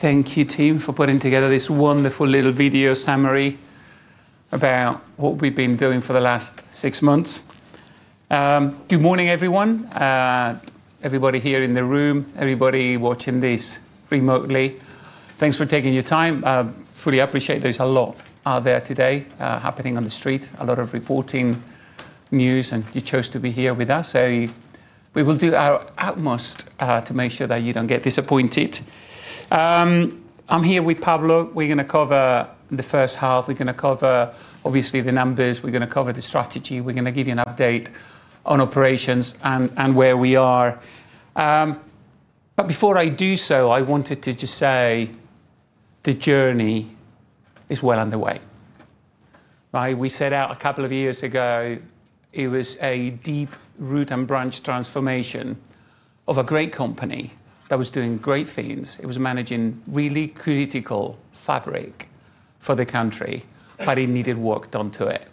Thank you, team, for putting together this wonderful little video summary about what we've been doing for the last six months. Good morning, everyone. Everybody here in the room, everybody watching this remotely, thanks for taking your time. Fully appreciate there's a lot out there today happening on the street, a lot of reporting news, and you chose to be here with us. We will do our utmost to make sure that you don't get disappointed. I'm here with Pablo. We're going to cover the first half. We're going to cover, obviously, the numbers. We're going to cover the strategy. We're going to give you an update on operations and where we are. Before I do so, I wanted to just say the journey is well underway, right? We set out a couple of years ago. It was a deep root and branch transformation of a great company that was doing great things. It was managing really critical fabric for the country, but it needed work done to it.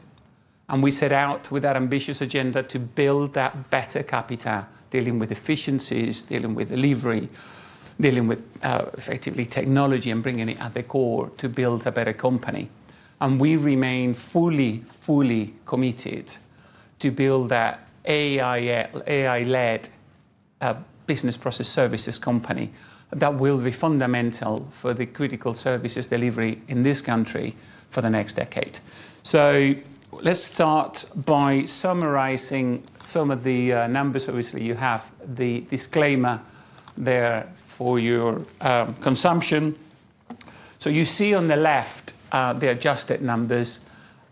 We set out with that ambitious agenda to build that better Capita, dealing with efficiencies, dealing with delivery, dealing with effectively technology and bringing it at the core to build a better company. We remain fully committed to build that AI-led business process services company that will be fundamental for the critical services delivery in this country for the next decade. Let's start by summarizing some of the numbers. Obviously, you have the disclaimer there for your consumption. You see on the left the adjusted numbers.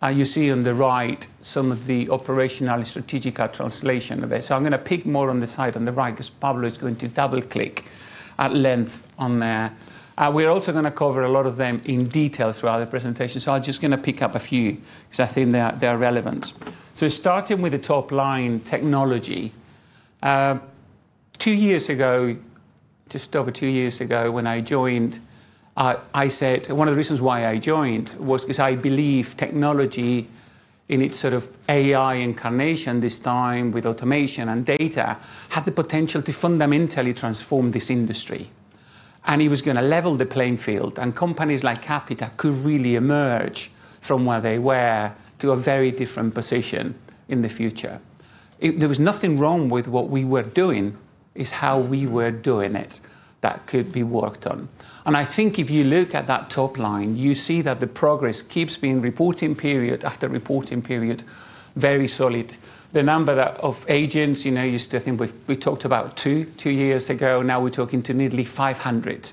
You see on the right some of the operational and strategic translation of it. I'm going to pick more on the side on the right because Pablo is going to double-click at length on there. We're also going to cover a lot of them in detail throughout the presentation, I'm just going to pick up a few because I think they're relevant. Starting with the top line technology. Two years ago, just over two years ago when I joined, one of the reasons why I joined was because I believe technology in its sort of AI incarnation this time with automation and data, had the potential to fundamentally transform this industry, and it was going to level the playing field, and companies like Capita could really emerge from where they were to a very different position in the future. There was nothing wrong with what we were doing. It's how we were doing it that could be worked on. I think if you look at that top line, you see that the progress keeps being reporting period after reporting period, very solid. The number of agents, I think we talked about two years ago, now we're talking to nearly 500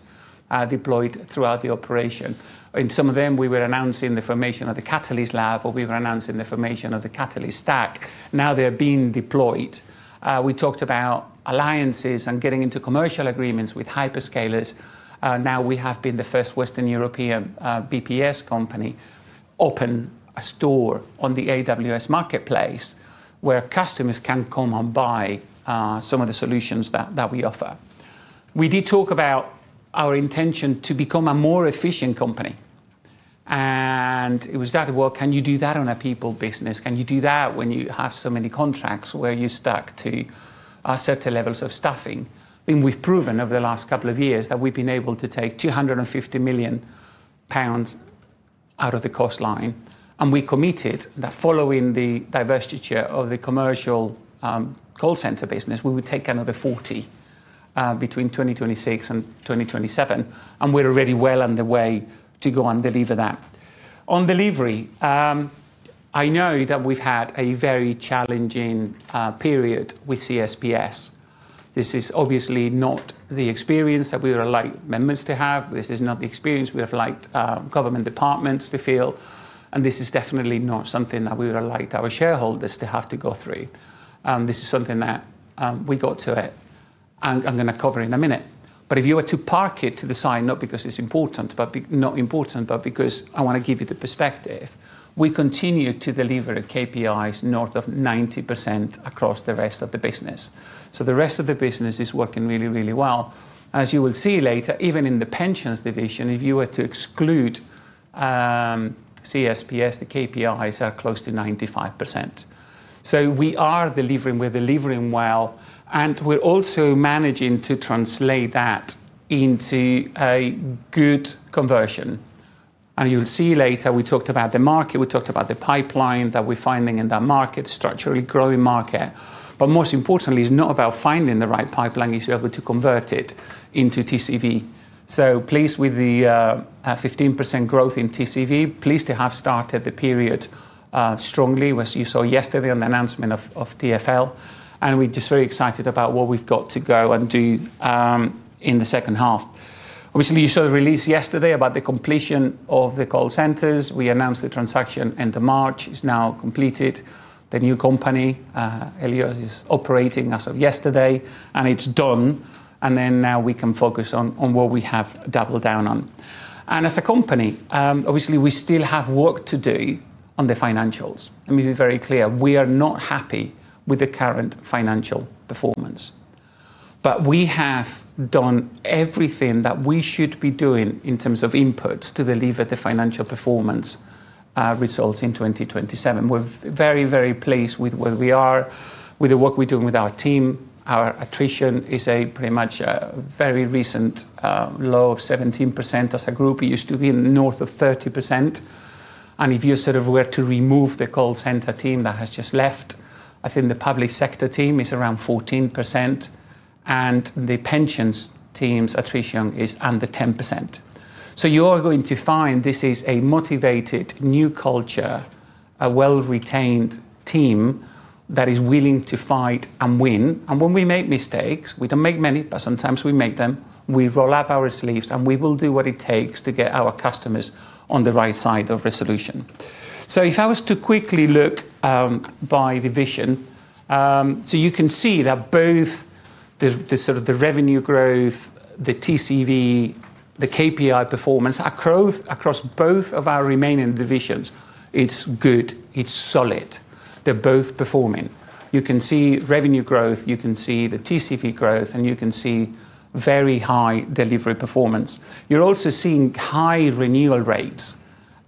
deployed throughout the operation. In some of them, we were announcing the formation of the Catalyst Lab, or we were announcing the formation of the Catalyst Stack. Now they're being deployed. We talked about alliances and getting into commercial agreements with hyperscalers. Now we have been the first Western European BPS company open a store on the AWS marketplace where customers can come and buy some of the solutions that we offer. It was that, well, can you do that on a people business? Can you do that when you have so many contracts where you're stuck to certain levels of staffing? We've proven over the last couple of years that we've been able to take 250 million pounds out of the cost line. We committed that following the divestiture of the commercial call center business, we would take another 40 million between 2026 and 2027, and we're already well on the way to go and deliver that. On delivery, I know that we've had a very challenging period with CSPS. This is obviously not the experience that we would have liked members to have. This is not the experience we have liked government departments to feel. This is definitely not something that we would have liked our shareholders to have to go through. This is something that we got to it. I'm going to cover in a minute. If you were to park it to the side, not because it's important, not important, but because I want to give you the perspective, we continue to deliver KPIs north of 90% across the rest of the business. The rest of the business is working really, really well. As you will see later, even in the pensions division, if you were to exclude CSPS, the KPIs are close to 95%. We are delivering, we're delivering well, and we're also managing to translate that into a good conversion. You'll see later, we talked about the market, we talked about the pipeline that we're finding in that market, structurally growing market. Most importantly, it's not about finding the right pipeline, it's being able to convert it into TCV. Pleased with the 15% growth in TCV. Pleased to have started the period strongly, as you saw yesterday on the announcement of TFL. We're just very excited about what we've got to go and do in the second half. Obviously, you saw the release yesterday about the completion of the call centers. We announced the transaction end of March. It's now completed. The new company, Elios, is operating as of yesterday. It's done. Then now we can focus on what we have doubled down on. As a company, obviously, we still have work to do on the financials. Let me be very clear. We are not happy with the current financial performance. We have done everything that we should be doing in terms of inputs to deliver the financial performance our results in 2027. We're very, very pleased with where we are, with the work we're doing with our team. Our attrition is a pretty much very recent low of 17% as a group. It used to be in the north of 30%. If you were to remove the call center team that has just left, I think the public sector team is around 14%, and the pensions team's attrition is under 10%. You are going to find this is a motivated new culture, a well-retained team that is willing to fight and win. When we make mistakes, we don't make many, but sometimes we make them. We roll up our sleeves. We will do what it takes to get our customers on the right side of resolution. If I was to quickly look by division. You can see that both the revenue growth, the TCV, the KPI performance, our growth across both of our remaining divisions, it's good. It's solid. They're both performing. You can see revenue growth, you can see the TCV growth, and you can see very high delivery performance. You are also seeing high renewal rates.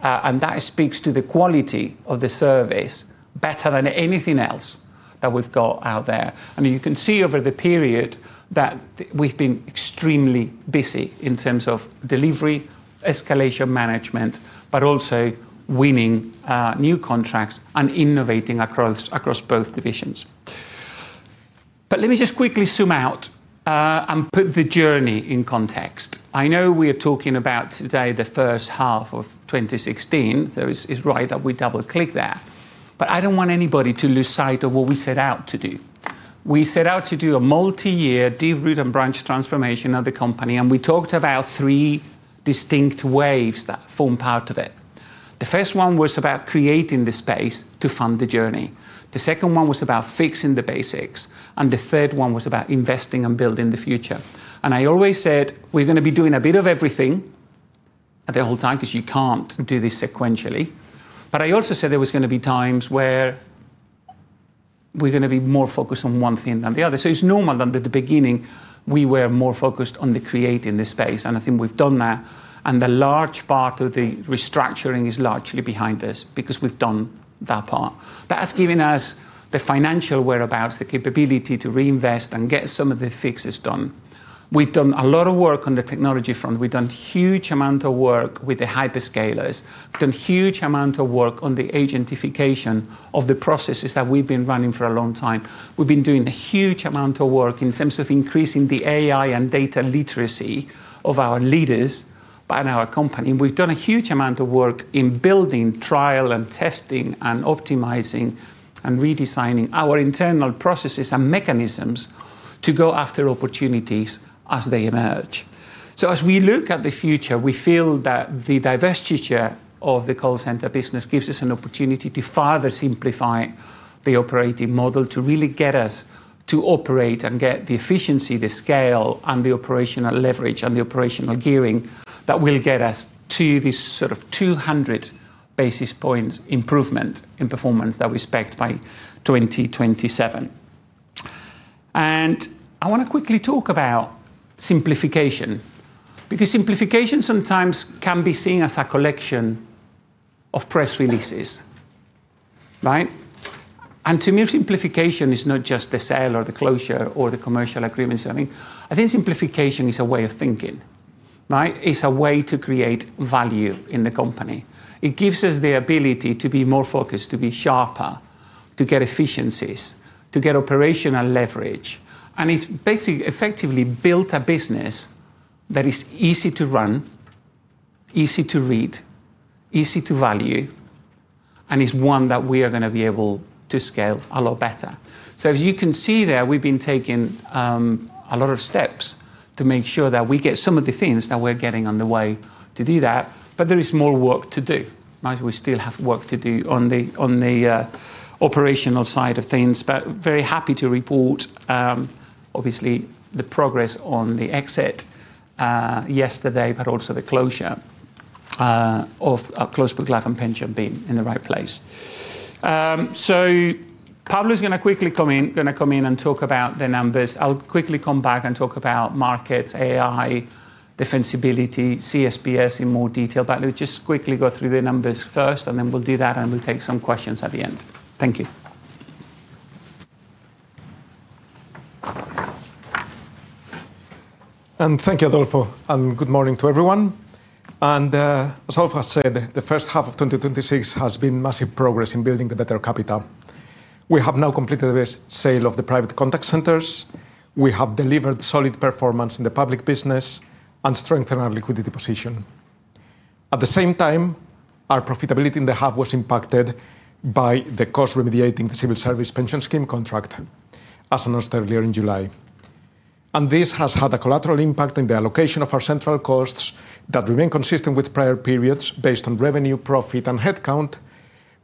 That speaks to the quality of the service better than anything else that we've got out there. You can see over the period that we've been extremely busy in terms of delivery, escalation management, but also winning new contracts and innovating across both divisions. Let me just quickly zoom out, and put the journey in context. I know we are talking about today the first half of 2016. It's right that we double-click there. I don't want anybody to lose sight of what we set out to do. We set out to do a multi-year, deep root and branch transformation of the company, and we talked about three distinct waves that form part of it. The first one was about creating the space to fund the journey. The second one was about fixing the basics. The third one was about investing and building the future. I always said we're going to be doing a bit of everything the whole time because you can't do this sequentially. I also said there was going to be times where we're going to be more focused on one thing than the other. It's normal that at the beginning we were more focused on the creating the space, and I think we've done that, and the large part of the restructuring is largely behind us because we've done that part. That's given us the financial whereabouts, the capability to reinvest and get some of the fixes done. We've done a lot of work on the technology front. We've done huge amount of work with the hyperscalers, done huge amount of work on the agentification of the processes that we've been running for a long time. We've been doing a huge amount of work in terms of increasing the AI and data literacy of our leaders and our company. We've done a huge amount of work in building trial and testing and optimizing and redesigning our internal processes and mechanisms to go after opportunities as they emerge. As we look at the future, we feel that the divestiture of the call center business gives us an opportunity to further simplify the operating model, to really get us to operate and get the efficiency, the scale, and the operational leverage and the operational gearing that will get us to this 200 basis points improvement in performance that we expect by 2027. I want to quickly talk about simplification, because simplification sometimes can be seen as a collection of press releases. Right? To me, simplification is not just the sale or the closure or the commercial agreements. I think simplification is a way of thinking. Right? It's a way to create value in the company. It gives us the ability to be more focused, to be sharper, to get efficiencies, to get operational leverage. It's effectively built a business that is easy to run, easy to read, easy to value, and is one that we are going to be able to scale a lot better. As you can see there, we've been taking a lot of steps to make sure that we get some of the things that we're getting on the way to do that. There is more work to do. Right? We still have work to do on the operational side of things. Very happy to report, obviously, the progress on the exit yesterday, but also the closure of Close Brothers Life and Pension being in the right place. Pablo is going to quickly come in and talk about the numbers. I'll quickly come back and talk about markets, AI, defensibility, CSPS in more detail. Let me just quickly go through the numbers first, and then we'll do that, and we'll take some questions at the end. Thank you. Thank you, Adolfo, and good morning to everyone. As Adolfo has said, the first half of 2026 has been massive progress in building the better Capita. We have now completed the sale of the private contact centers. We have delivered solid performance in the public business and strengthened our liquidity position. At the same time, our profitability in the hub was impacted by the cost remediating the Civil Service Pension Scheme contract, as announced earlier in July. This has had a collateral impact on the allocation of our central costs that remain consistent with prior periods based on revenue, profit, and headcount,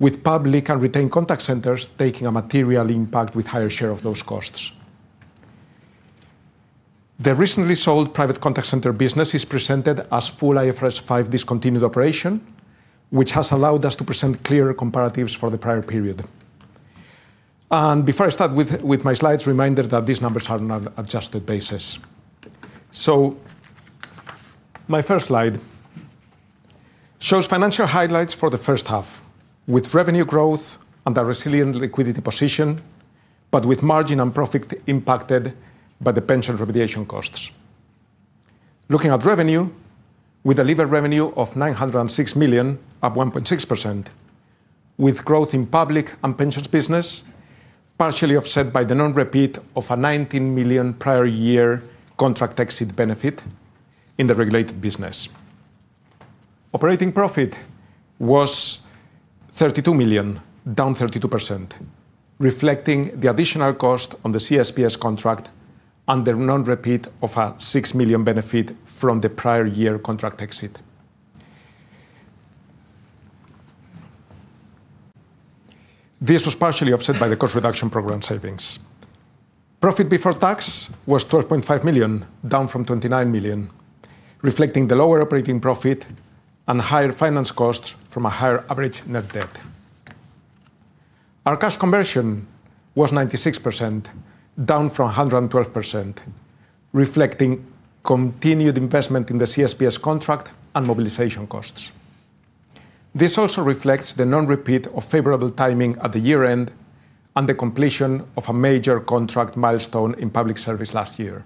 with public and retained contact centers taking a material impact with higher share of those costs. The recently sold private contact center business is presented as full IFRS 5 discontinued operation, which has allowed us to present clearer comparatives for the prior period. Before I start with my slides, reminder that these numbers are on an adjusted basis. My first slide shows financial highlights for the first half, with revenue growth and a resilient liquidity position, but with margin and profit impacted by the pension remediation costs. Looking at revenue, we delivered revenue of 906 million, up 1.6%, with growth in public and pensions business partially offset by the non-repeat of a 19 million prior year contract exit benefit in the regulated business. Operating profit was 32 million, down 32%, reflecting the additional cost on the CSPS contract and the non-repeat of a 6 million benefit from the prior year contract exit. This was partially offset by the cost reduction program savings. Profit before tax was 12.5 million, down from 29 million, reflecting the lower operating profit and higher finance costs from a higher average net debt. Our cash conversion was 96%, down from 112%, reflecting continued investment in the CSPS contract and mobilization costs. This also reflects the non-repeat of favorable timing at the year-end and the completion of a major contract milestone in public service last year.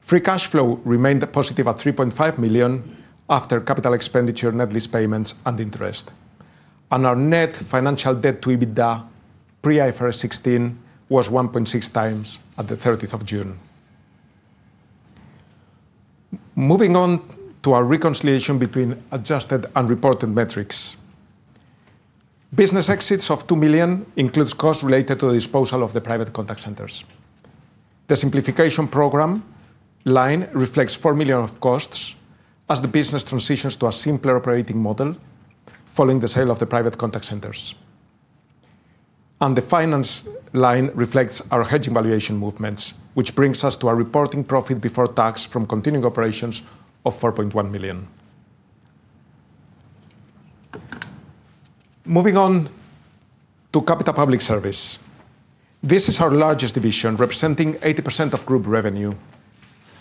Free cash flow remained positive at 3.5 million after capital expenditure, net lease payments, and interest. Our net financial debt to EBITDA, pre-IFRS 16, was 1.6x at the 30th of June. Moving on to our reconciliation between adjusted and reported metrics. Business exits of 2 million includes costs related to the disposal of the private contact centers. The simplification program line reflects 4 million of costs as the business transitions to a simpler operating model following the sale of the private contact centers. The finance line reflects our hedge valuation movements, which brings us to our reporting profit before tax from continuing operations of 4.1 million. Moving on to Capita Public Service. This is our largest division, representing 80% of group revenue.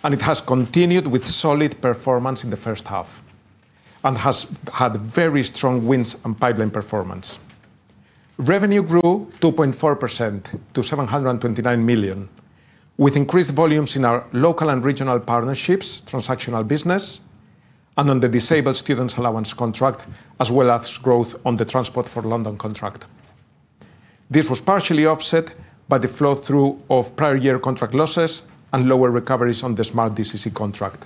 It has continued with solid performance in the first half and has had very strong wins on pipeline performance. Revenue grew 2.4% to 729 million, with increased volumes in our local and regional partnerships, transactional business, and on the Disabled Students' Allowance contract, as well as growth on the Transport for London contract. This was partially offset by the flow-through of prior year contract losses and lower recoveries on the Smart DCC contract.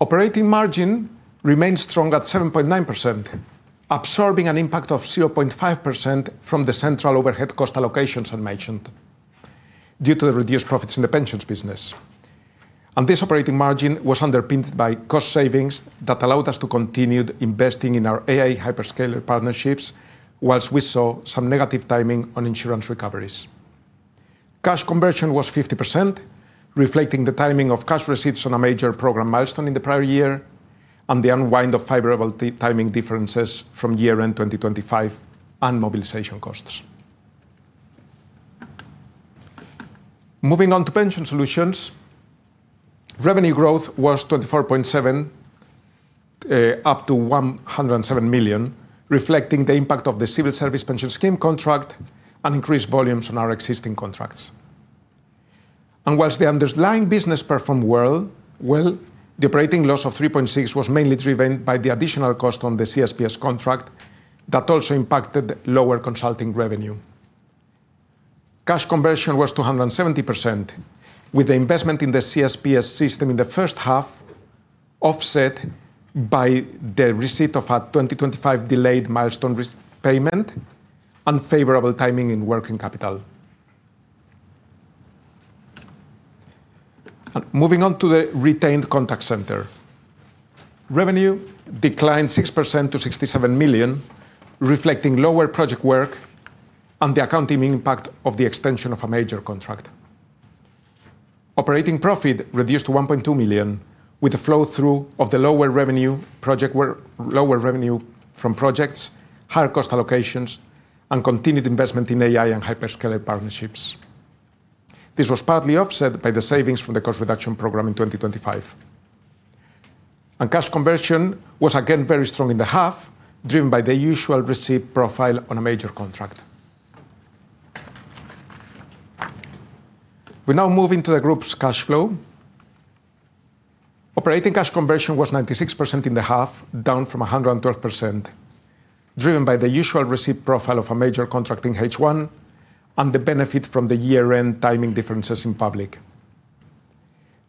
Operating margin remained strong at 7.9%, absorbing an impact of 0.5% from the central overhead cost allocations I mentioned due to the reduced profits in the pensions business. This operating margin was underpinned by cost savings that allowed us to continue investing in our AI hyperscaler partnerships whilst we saw some negative timing on insurance recoveries. Cash conversion was 50%, reflecting the timing of cash receipts on a major program milestone in the prior year and the unwind of favorable timing differences from year-end 2025 and mobilization costs. Moving on to Pension Solutions. Revenue growth was 24.7%, up to 107 million, reflecting the impact of the Civil Service Pension Scheme contract and increased volumes on our existing contracts. Whilst the underlying business performed well, the operating loss of 3.6 million was mainly driven by the additional cost on the CSPS contract that also impacted lower consulting revenue. Cash conversion was 270%, with the investment in the CSPS system in the first half offset by the receipt of a 2025 delayed milestone payment, unfavorable timing in working capital. Moving on to the retained contact center. Revenue declined 6% to 67 million, reflecting lower project work and the accounting impact of the extension of a major contract. Operating profit reduced to 1.2 million, with the flow-through of the lower revenue from projects, higher cost allocations, and continued investment in AI and hyperscaler partnerships. This was partly offset by the savings from the cost reduction program in 2025. Cash conversion was again very strong in the half, driven by the usual receipt profile on a major contract. We now move into the group's cash flow. Operating cash conversion was 96% in the half, down from 112%, driven by the usual receipt profile of a major contract in H1 and the benefit from the year-end timing differences in Public.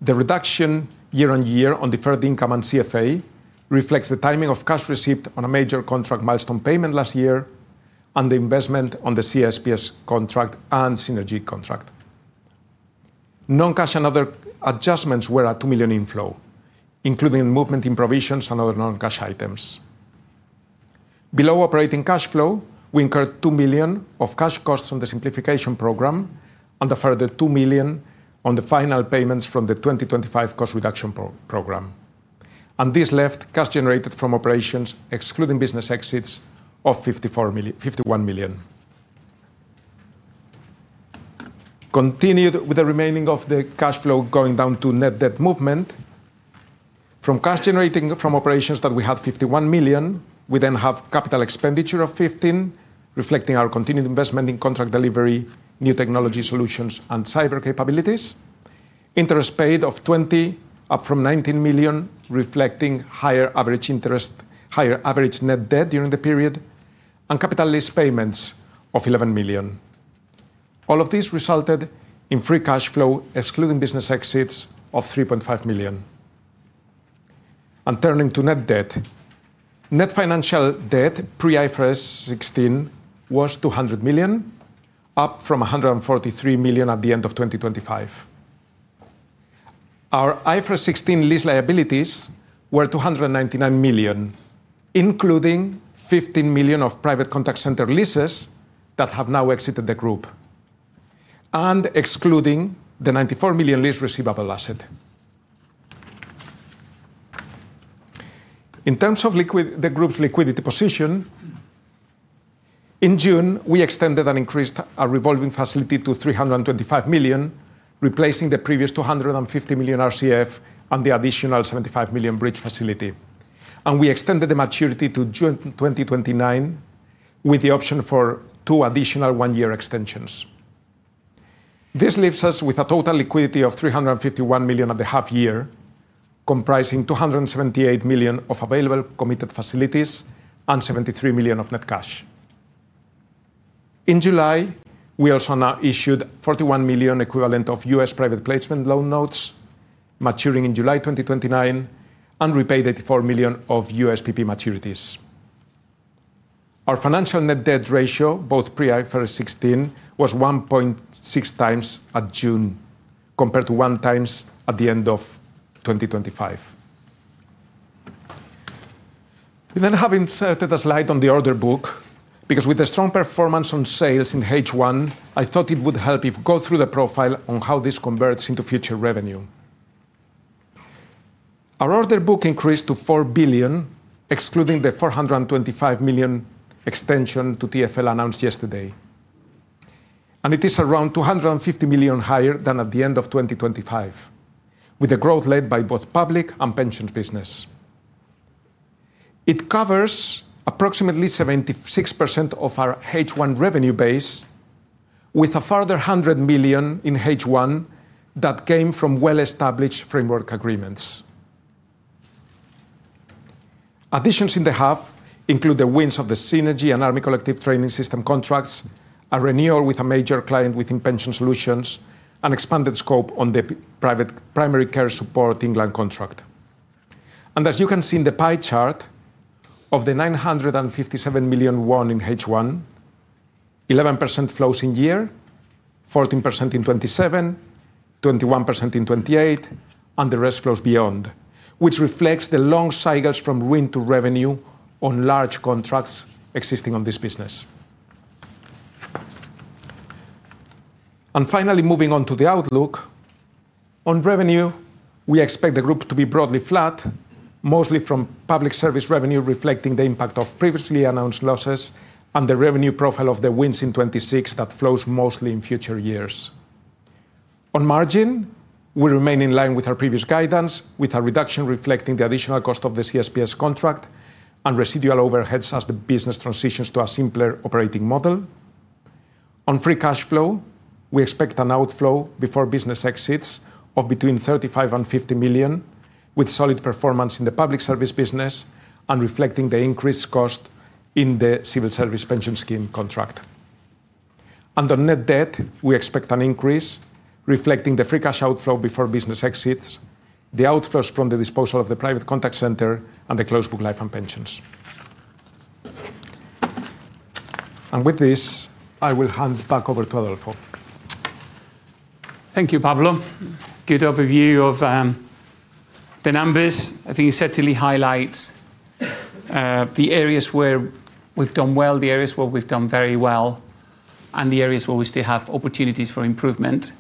The reduction year-on-year on deferred income and CFA reflects the timing of cash received on a major contract milestone payment last year and the investment on the CSPS contract and Synergy contract. Non-cash and other adjustments were a 2 million inflow, including movement in provisions and other non-cash items. Below operating cash flow, we incurred 2 million of cash costs on the simplification program and a further 2 million on the final payments from the 2025 cost reduction program. This left cash generated from operations excluding business exits of 51 million. Continue with the remaining of the cash flow going down to net debt movement. From cash generated from operations that we have 51 million, we then have capital expenditure of 15 million, reflecting our continued investment in contract delivery, new technology solutions, and cyber capabilities. Interest paid of 20 million, up from 19 million, reflecting higher average net debt during the period. Capital lease payments of 11 million. All of this resulted in free cash flow, excluding business exits, of 3.5 million. Turning to net debt. Net financial debt, pre-IFRS 16, was 200 million, up from 143 million at the end of 2025. Our IFRS 16 lease liabilities were 299 million, including 15 million of private contact center leases that have now exited the group and excluding the 94 million lease receivable asset. In terms of the group's liquidity position, in June, we extended and increased our revolving facility to 325 million, replacing the previous 250 million RCF and the additional 75 million bridge facility. We extended the maturity to June 2029 with the option for two additional one-year extensions. This leaves us with a total liquidity of 351 million at the half year, comprising 278 million of available committed facilities and 73 million of net cash. In July, we also now issued $41 million equivalent of US private placement loan notes maturing in July 2029 and repaid $84 million of USPP maturities. Our financial net debt ratio, both pre-IFRS 16, was 1.6x at June, compared to 1x at the end of 2025. We have inserted a slide on the order book because with the strong performance on sales in H1, I thought it would help if we go through the profile on how this converts into future revenue. Our order book increased to 4 billion, excluding the 425 million extension to TFL announced yesterday, and it is around 250 million higher than at the end of 2025, with the growth led by both public and pension business. It covers approximately 76% of our H1 revenue base with a further 100 million in H1 that came from well-established framework agreements. Additions in the half include the wins of the Synergy and Army Collective Training System contracts, a renewal with a major client within Pension Solutions, and expanded scope on the Primary Care Support England contract. As you can see in the pie chart, of the 957 million won in H1, 11% flows in year, 14% in 2027, 21% in 2028, and the rest flows beyond, which reflects the long cycles from win to revenue on large contracts existing on this business. Finally, moving on to the outlook. On revenue, we expect the group to be broadly flat, mostly from public service revenue reflecting the impact of previously announced losses and the revenue profile of the wins in 2026 that flows mostly in future years. On margin, we remain in line with our previous guidance, with a reduction reflecting the additional cost of the CSPS contract and residual overheads as the business transitions to a simpler operating model. On free cash flow, we expect an outflow before business exits of between 35 million and 50 million, with solid performance in the public service business and reflecting the increased cost in the Civil Service Pension Scheme contract. Under net debt, we expect an increase reflecting the free cash outflow before business exits, the outflows from the disposal of the private contact center, and the closed book life and pensions. With this, I will hand back over to Adolfo. Thank you, Pablo. Good overview of the numbers. I think it certainly highlights the areas where we've done well, the areas where we've done very well, and the areas where we still have opportunities for improvement.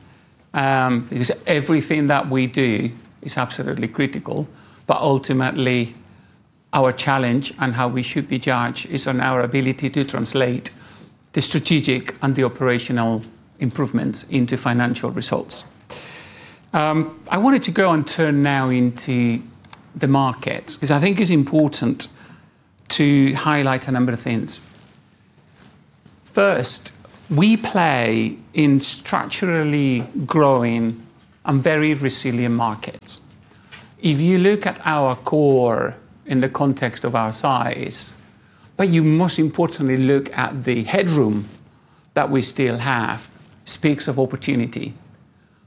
Everything that we do is absolutely critical, but ultimately, our challenge and how we should be judged is on our ability to translate the strategic and the operational improvements into financial results. I wanted to go and turn now into the market, because I think it's important to highlight a number of things. We play in structurally growing and very resilient markets. If you look at our core in the context of our size, but you most importantly look at the headroom that we still have, speaks of opportunity.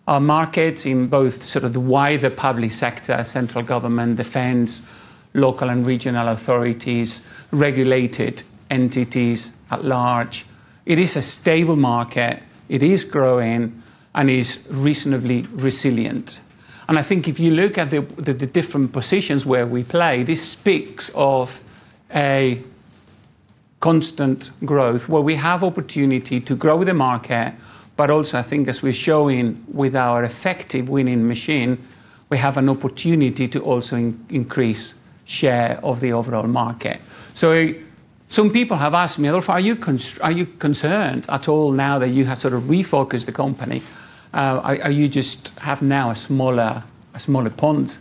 Our markets in both sort of the wider public sector, central government, defense, local and regional authorities, regulated entities at large, it is a stable market. It is growing and is reasonably resilient. I think if you look at the different positions where we play, this speaks of a constant growth where we have opportunity to grow the market. Also, I think as we're showing with our effective winning machine, we have an opportunity to also increase share of the overall market. Some people have asked me, "Adolfo, are you concerned at all now that you have sort of refocused the company? You just have now a smaller pond,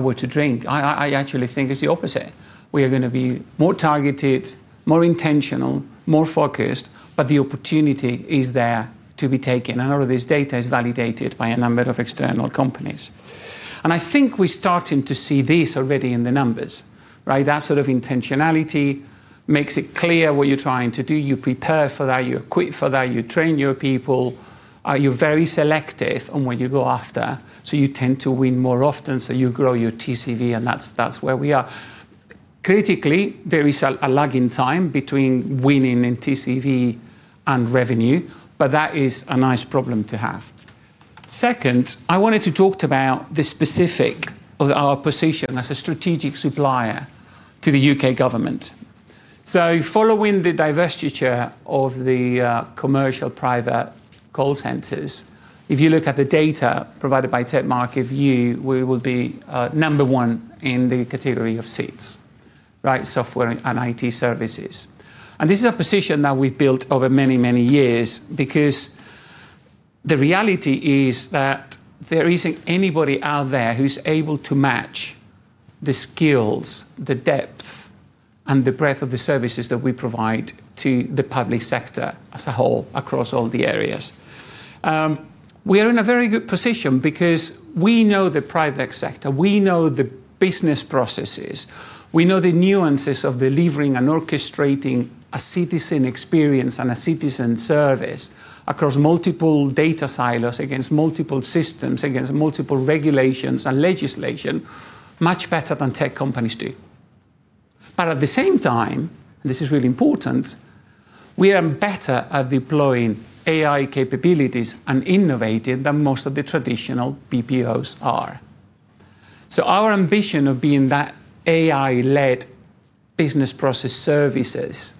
were to drink?" I actually think it's the opposite. We are going to be more targeted, more intentional, more focused, but the opportunity is there to be taken. All of this data is validated by a number of external companies. I think we're starting to see this already in the numbers, right? That sort of intentionality makes it clear what you're trying to do. You prepare for that. You equip for that. You train your people. You're very selective on what you go after. You tend to win more often, so you grow your TCV, and that's where we are. Critically, there is a lag in time between winning in TCV and revenue, but that is a nice problem to have. Second, I wanted to talk about the specific of our position as a strategic supplier to the U.K. government. Following the divestiture of the commercial private call centers, if you look at the data provided by TechMarketView, we will be number one in the category of SITS, right? Software and IT services. This is a position that we've built over many, many years because the reality is that there isn't anybody out there who's able to match the skills, the depth, and the breadth of the services that we provide to the public sector as a whole across all the areas. We are in a very good position because we know the private sector. We know the business processes. We know the nuances of delivering and orchestrating a citizen experience and a citizen service across multiple data silos, against multiple systems, against multiple regulations and legislation much better than tech companies do. At the same time, this is really important, we are better at deploying AI capabilities and innovating than most of the traditional BPOs are. Our ambition of being that AI-led business process services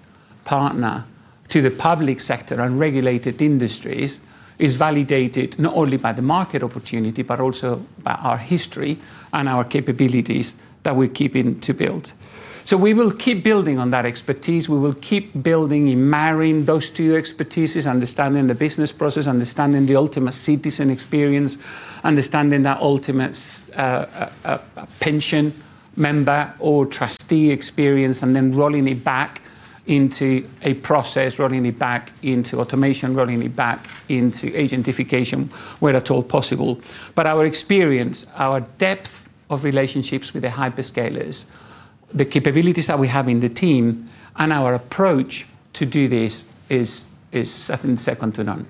partner to the public sector and regulated industries is validated not only by the market opportunity but also by our history and our capabilities that we are keeping to build. We will keep building on that expertise. We will keep building and marrying those two expertises, understanding the business process, understanding the ultimate citizen experience, understanding that ultimate pension member or trustee experience, and then rolling it back into a process, rolling it back into automation, rolling it back into agentification where at all possible. Our experience, our depth of relationships with the hyperscalers, the capabilities that we have in the team, and our approach to do this is second to none.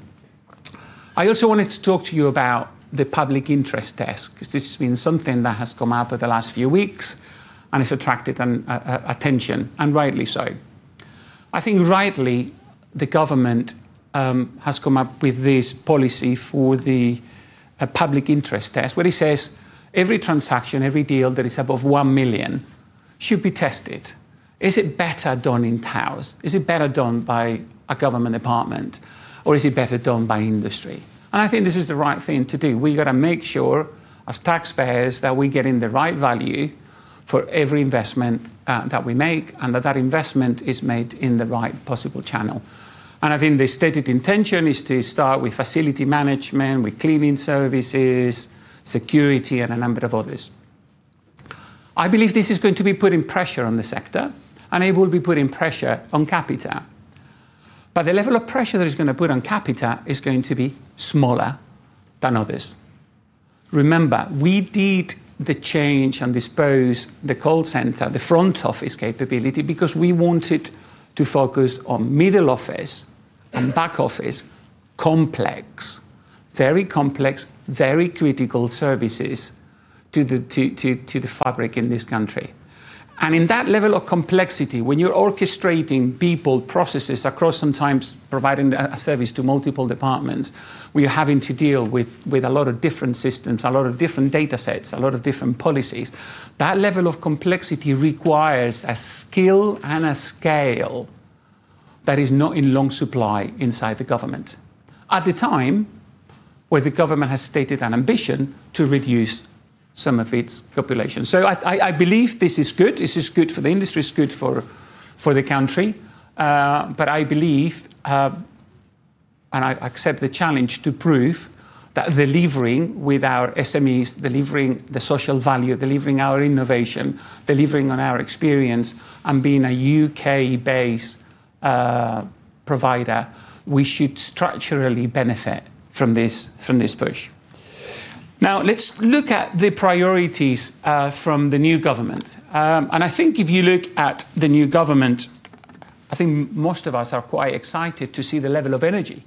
I also wanted to talk to you about the Public Interest Test because this has been something that has come out over the last few weeks, and it has attracted attention, and rightly so. I think rightly, the government has come up with this policy for the Public Interest Test, where it says every transaction, every deal that is above 1 million should be tested. Is it better done in-house? Is it better done by a government department, or is it better done by industry? I think this is the right thing to do. We got to make sure as taxpayers that we are getting the right value for every investment that we make and that that investment is made in the right possible channel. I think the stated intention is to start with facility management, with cleaning services, security, and a number of others. I believe this is going to be putting pressure on the sector, and it will be putting pressure on Capita. The level of pressure that it is going to put on Capita is going to be smaller than others. Remember, we did the change and dispose the call center, the front office capability, because we wanted to focus on middle office and back office complex, very complex, very critical services to the fabric in this country. In that level of complexity, when you are orchestrating people, processes across sometimes providing a service to multiple departments, where you are having to deal with a lot of different systems, a lot of different datasets, a lot of different policies. That level of complexity requires a skill and a scale that is not in long supply inside the government at the time where the government has stated an ambition to reduce some of its population. I believe this is good. This is good for the industry. It is good for the country. I believe, and I accept the challenge to prove that delivering with our SMEs, delivering the social value, delivering our innovation, delivering on our experience, and being a U.K.-based provider, we should structurally benefit from this push. Let's look at the priorities from the new government. I think if you look at the new government, I think most of us are quite excited to see the level of energy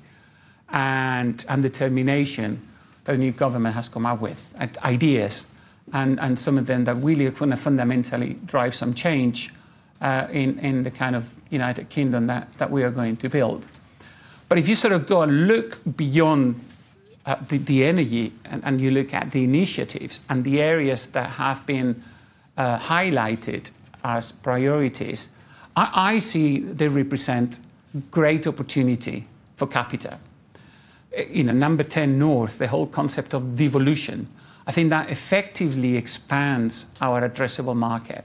and determination the new government has come up with ideas, and some of them that will fundamentally drive some change in the kind of United Kingdom that we are going to build. If you go and look beyond the energy and you look at the initiatives and the areas that have been highlighted as priorities, I see they represent great opportunity for Capita. No. 10 North, the whole concept of devolution, that effectively expands our addressable market.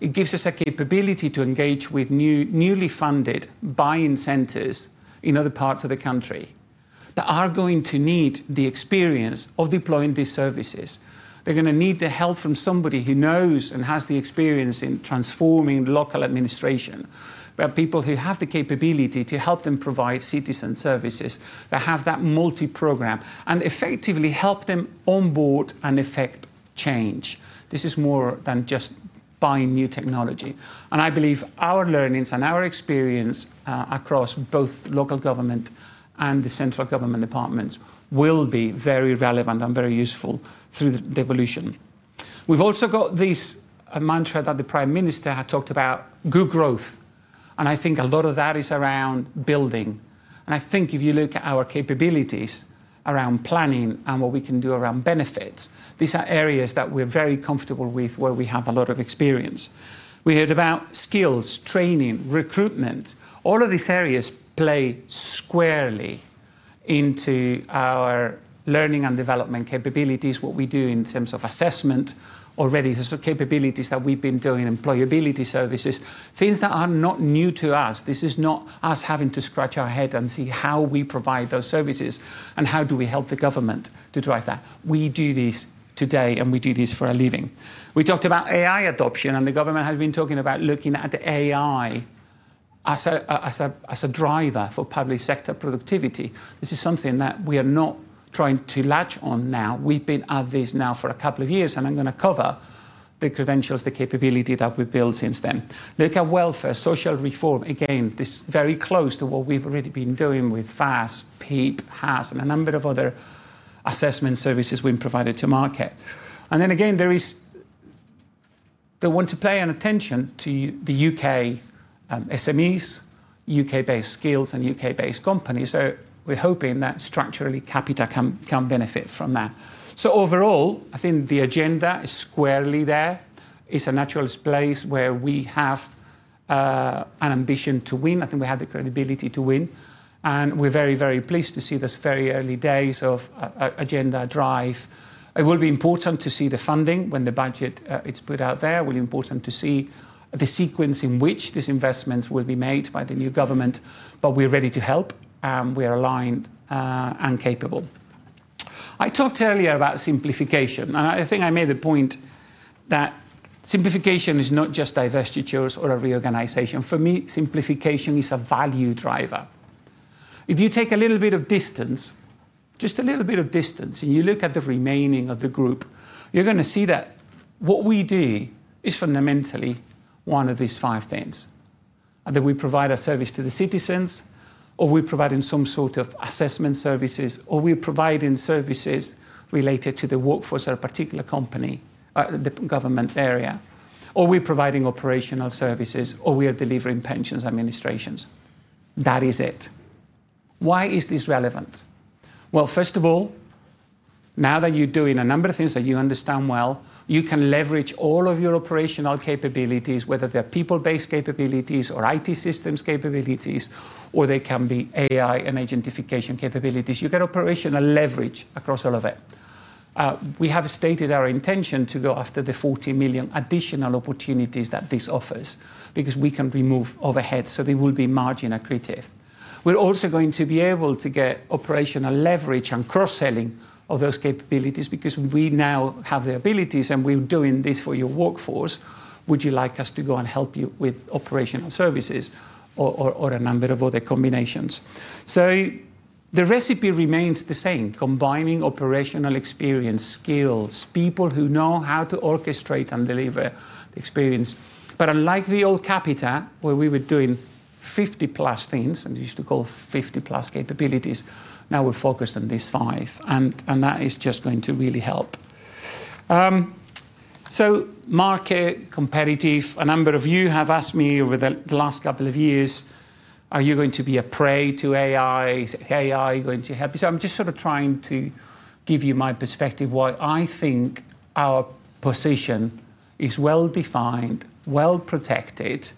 It gives us a capability to engage with newly funded buying centers in other parts of the country that are going to need the experience of deploying these services. They're going to need the help from somebody who knows and has the experience in transforming local administration, where people who have the capability to help them provide citizen services, that have that multi-program, and effectively help them onboard and effect change. This is more than just buying new technology. I believe our learnings and our experience, across both local government and the central government departments, will be very relevant and very useful through the devolution. We've also got this mantra that the Prime Minister had talked about, good growth. A lot of that is around building. If you look at our capabilities around planning and what we can do around benefits, these are areas that we're very comfortable with, where we have a lot of experience. We heard about skills, training, recruitment. All of these areas play squarely into our learning and development capabilities, what we do in terms of assessment already. These are capabilities that we've been doing, employability services, things that are not new to us. This is not us having to scratch our head and see how we provide those services and how do we help the government to drive that. We do this today, and we do this for a living. We talked about AI adoption, and the government has been talking about looking at AI as a driver for public sector productivity. This is something that we are not trying to latch on now. We've been at this now for a couple of years, and I'm going to cover the credentials, the capability that we've built since then. Look at welfare, social reform. Again, this is very close to what we've already been doing with FAS, PEEP, HAS, and a number of other assessment services we've provided to market. Again, they want to pay attention to the U.K. SMEs, U.K.-based skills, and U.K.-based companies. We're hoping that structurally, Capita can benefit from that. Overall, the agenda is squarely there. It's a natural place where we have an ambition to win. We have the credibility to win. We're very, very pleased to see this very early days of agenda drive. It will be important to see the funding when the budget is put out there. Will be important to see the sequence in which these investments will be made by the new government. We're ready to help, and we are aligned and capable. I talked earlier about simplification. I think I made the point that simplification is not just divestitures or a reorganization. For me, simplification is a value driver. If you take a little bit of distance, just a little bit of distance, and you look at the remaining of the group, you're going to see that what we do is fundamentally one of these five things. Either we provide a service to the citizens, or we're providing some sort of assessment services, or we're providing services related to the workforce or a particular company, the government area, or we're providing operational services, or we are delivering pensions administrations. That is it. Why is this relevant? First of all, now that you're doing a number of things that you understand well, you can leverage all of your operational capabilities, whether they're people-based capabilities or IT systems capabilities, or they can be AI and agentification capabilities. You get operational leverage across all of it. We have stated our intention to go after the 40 million additional opportunities that this offers because we can remove overhead. They will be margin accretive. We're also going to be able to get operational leverage and cross-selling of those capabilities because we now have the abilities and we're doing this for your workforce. Would you like us to go and help you with operational services or a number of other combinations? The recipe remains the same, combining operational experience, skills, people who know how to orchestrate and deliver the experience. Unlike the old Capita, where we were doing 50-plus things, and we used to call 50-plus capabilities, now we're focused on these five. That is just going to really help. Market competitive. A number of you have asked me over the last couple of years, are you going to be a prey to AI? Is AI going to help you? I'm just trying to give you my perspective, why I think our position is well-defined, well-protected,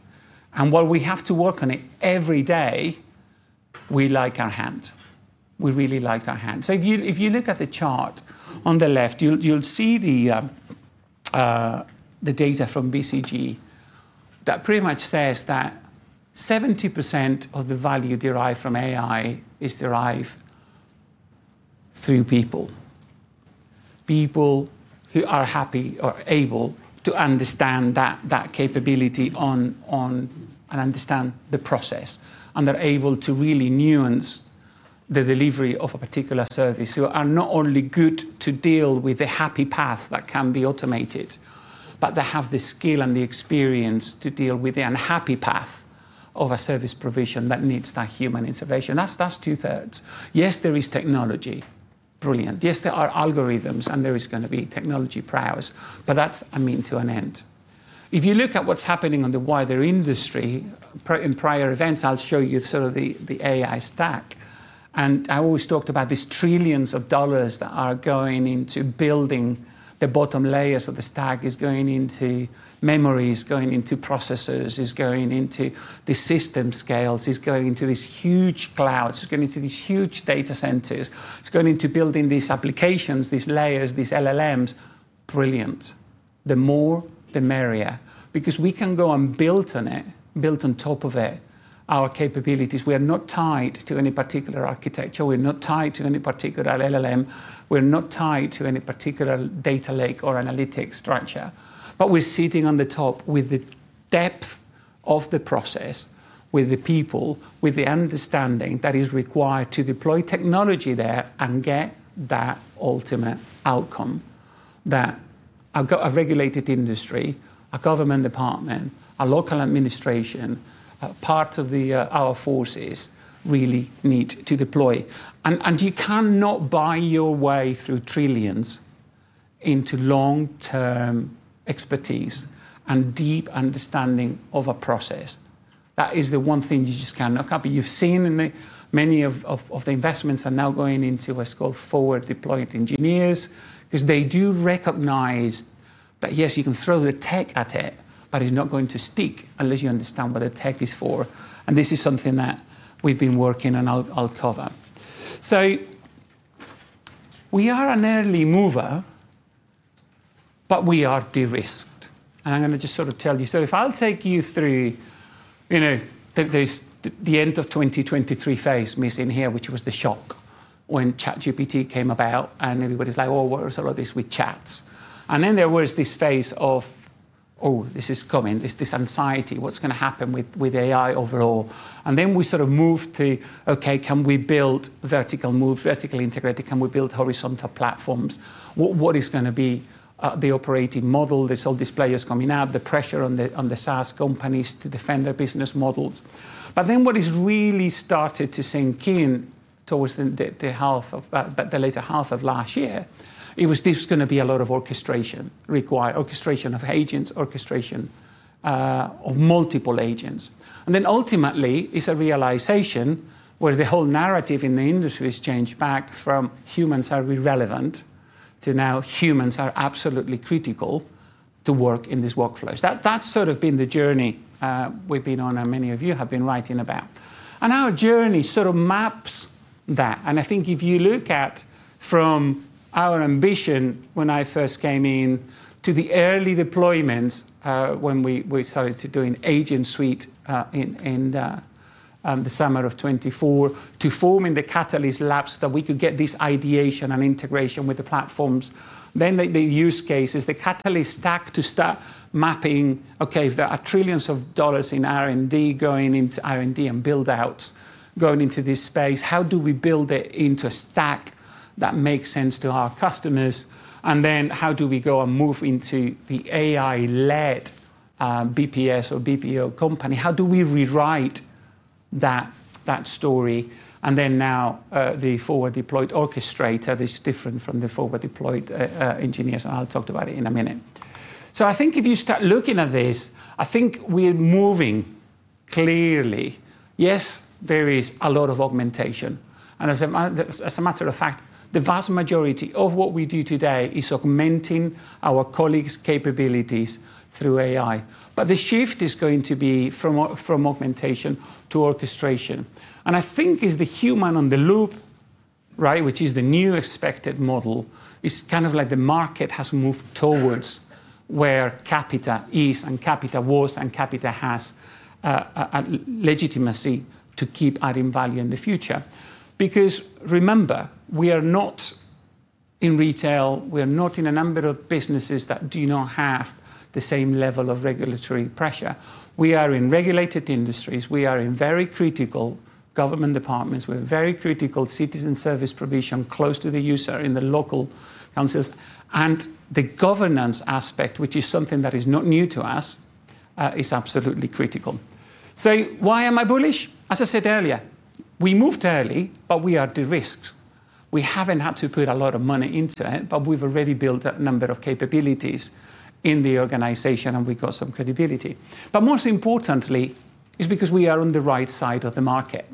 and while we have to work on it every day, we like our hand. We really like our hand. If you look at the chart on the left you'll see the data from BCG that pretty much says that 70% of the value derived from AI is derived through people. People who are happy or able to understand that capability and understand the process, and they're able to really nuance the delivery of a particular service, who are not only good to deal with the happy path that can be automated, but they have the skill and the experience to deal with the unhappy path of a service provision that needs that human intervention. That's two-thirds. Yes, there is technology. Brilliant. Yes, there are algorithms. There is going to be technology prowess, but that's a mean to an end. If you look at what's happening on the wider industry in prior events, I'll show you the AI stack. I always talked about these trillions of GBP that are going into building the bottom layers of the stack, is going into memories, going into processors, is going into the system scales, is going into these huge clouds, is going into these huge data centers. It's going into building these applications, these layers, these LLMs. Brilliant. The more, the merrier. We can go and build on it, build on top of it our capabilities. We are not tied to any particular architecture. We're not tied to any particular LLM. We're not tied to any particular data lake or analytic structure. We're sitting on the top with the depth of the process, with the people, with the understanding that is required to deploy technology there and get that ultimate outcome that a regulated industry, a government department, a local administration, part of our forces really need to deploy. You cannot buy your way through trillions of GBP into long-term expertise and deep understanding of a process. That is the one thing you just cannot copy. You've seen many of the investments are now going into what's called forward-deployed engineers, because they do recognize that, yes, you can throw the tech at it, but it's not going to stick unless you understand what the tech is for. This is something that we've been working, I'll cover. We are an early mover, but we are de-risked. I'm going to just sort of tell you. If I'll take you through, there's the end of 2023 phase missing here, which was the shock when ChatGPT came about and everybody's like, "Oh, what is all of this with chats?" There was this phase of, oh, this is coming, this anxiety. What's going to happen with AI overall? We sort of moved to, okay, can we build vertical moves, vertically integrated? Can we build horizontal platforms? What is going to be the operating model? There's all these players coming out, the pressure on the SaaS companies to defend their business models. What is really started to sink in towards the later half of last year, it was there's going to be a lot of orchestration required, orchestration of agents, orchestration of multiple agents. Ultimately, it's a realization where the whole narrative in the industry has changed back from humans are irrelevant to now humans are absolutely critical to work in these workflows. That's sort of been the journey we've been on and many of you have been writing about. Our journey sort of maps that. I think if you look at from our ambition when I first came in to the early deployments, when we started to do an agent suite in the summer of 2024 to form in the AI Catalyst Lab that we could get this ideation and integration with the platforms. The use cases, the AI Catalyst Stack to start mapping, okay, if there are trillions of GBP in R&D going into R&D and build-outs going into this space, how do we build it into a stack that makes sense to our customers? How do we go and move into the AI-led BPS or BPO company? How do we rewrite that story? Now, the forward-deployed orchestrator is different from the forward-deployed engineers, and I'll talk about it in a minute. I think if you start looking at this, I think we're moving clearly. Yes, there is a lot of augmentation. As a matter of fact, the vast majority of what we do today is augmenting our colleagues' capabilities through AI. The shift is going to be from augmentation to orchestration. I think it's the human on the loop, which is the new expected model. It's kind of like the market has moved towards where Capita is and Capita was, and Capita has a legitimacy to keep adding value in the future. Remember, we are not in retail, we are not in a number of businesses that do not have the same level of regulatory pressure. We are in regulated industries. We are in very critical government departments. We're very critical citizen service provision, close to the user in the local councils. The governance aspect, which is something that is not new to us, is absolutely critical. Why am I bullish? As I said earlier, we moved early, but we are de-risked. We haven't had to put a lot of money into it, but we've already built a number of capabilities in the organization, and we got some credibility. Most importantly, it's because we are on the right side of the market.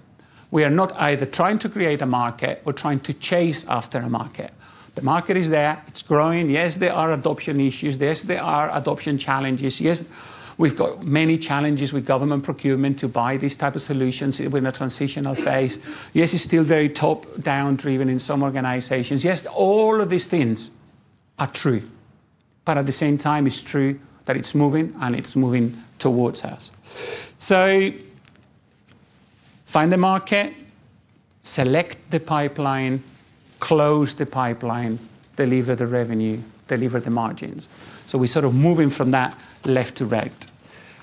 We are not either trying to create a market or trying to chase after a market. The market is there. It's growing. Yes, there are adoption issues. Yes, there are adoption challenges. Yes, we've got many challenges with government procurement to buy these type of solutions. We're in a transitional phase. Yes, it's still very top-down driven in some organizations. Yes, all of these things are true. At the same time, it's true that it's moving and it's moving towards us. Find the market, select the pipeline, close the pipeline, deliver the revenue, deliver the margins. We're sort of moving from that left to right.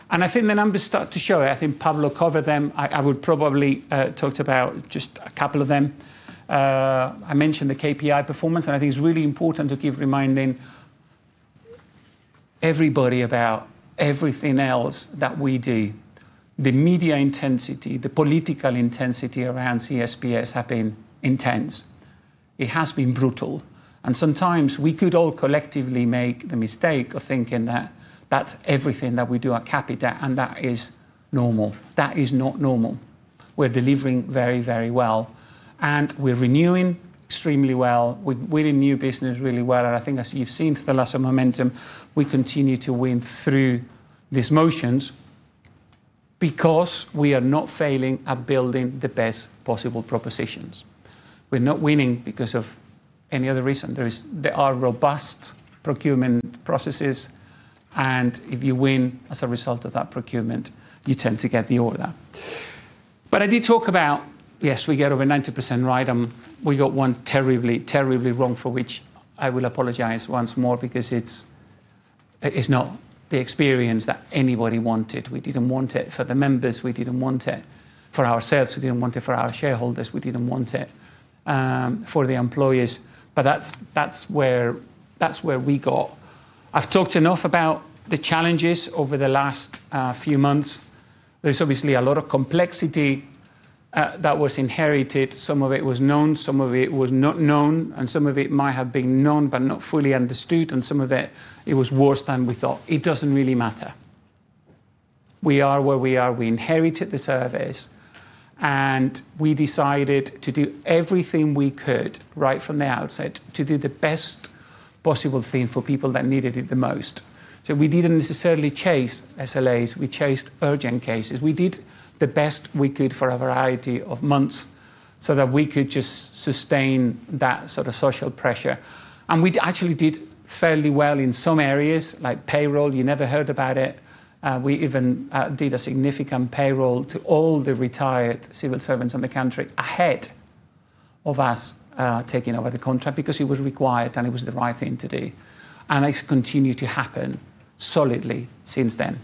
I think the numbers start to show. I think Pablo covered them. I would probably talk about just a couple of them. I mentioned the KPI performance, and I think it's really important to keep reminding everybody about everything else that we do. The media intensity, the political intensity around CSPS have been intense. It has been brutal. Sometimes we could all collectively make the mistake of thinking that that's everything that we do at Capita, and that is normal. That is not normal. We're delivering very well, and we're renewing extremely well. We're winning new business really well. I think as you've seen for the last momentum, we continue to win through these motions because we are not failing at building the best possible propositions. We're not winning because of any other reason. There are robust procurement processes, and if you win as a result of that procurement, you tend to get the order. I did talk about, yes, we get over 90% right, and we got one terribly wrong, for which I will apologize once more because it's not the experience that anybody wanted. We didn't want it for the members, we didn't want it for ourselves, we didn't want it for our shareholders, we didn't want it for the employers. That's where we got. I've talked enough about the challenges over the last few months. There's obviously a lot of complexity that was inherited. Some of it was known, some of it was not known, some of it might have been known but not fully understood, some of it was worse than we thought. It doesn't really matter. We are where we are. We inherited the service, we decided to do everything we could right from the outset to do the best possible thing for people that needed it the most. We didn't necessarily chase SLAs, we chased urgent cases. We did the best we could for a variety of months so that we could just sustain that sort of social pressure. We actually did fairly well in some areas, like payroll. You never heard about it. We even did a significant payroll to all the retired civil servants in the country ahead of us taking over the contract because it was required, it was the right thing to do. It's continued to happen solidly since then.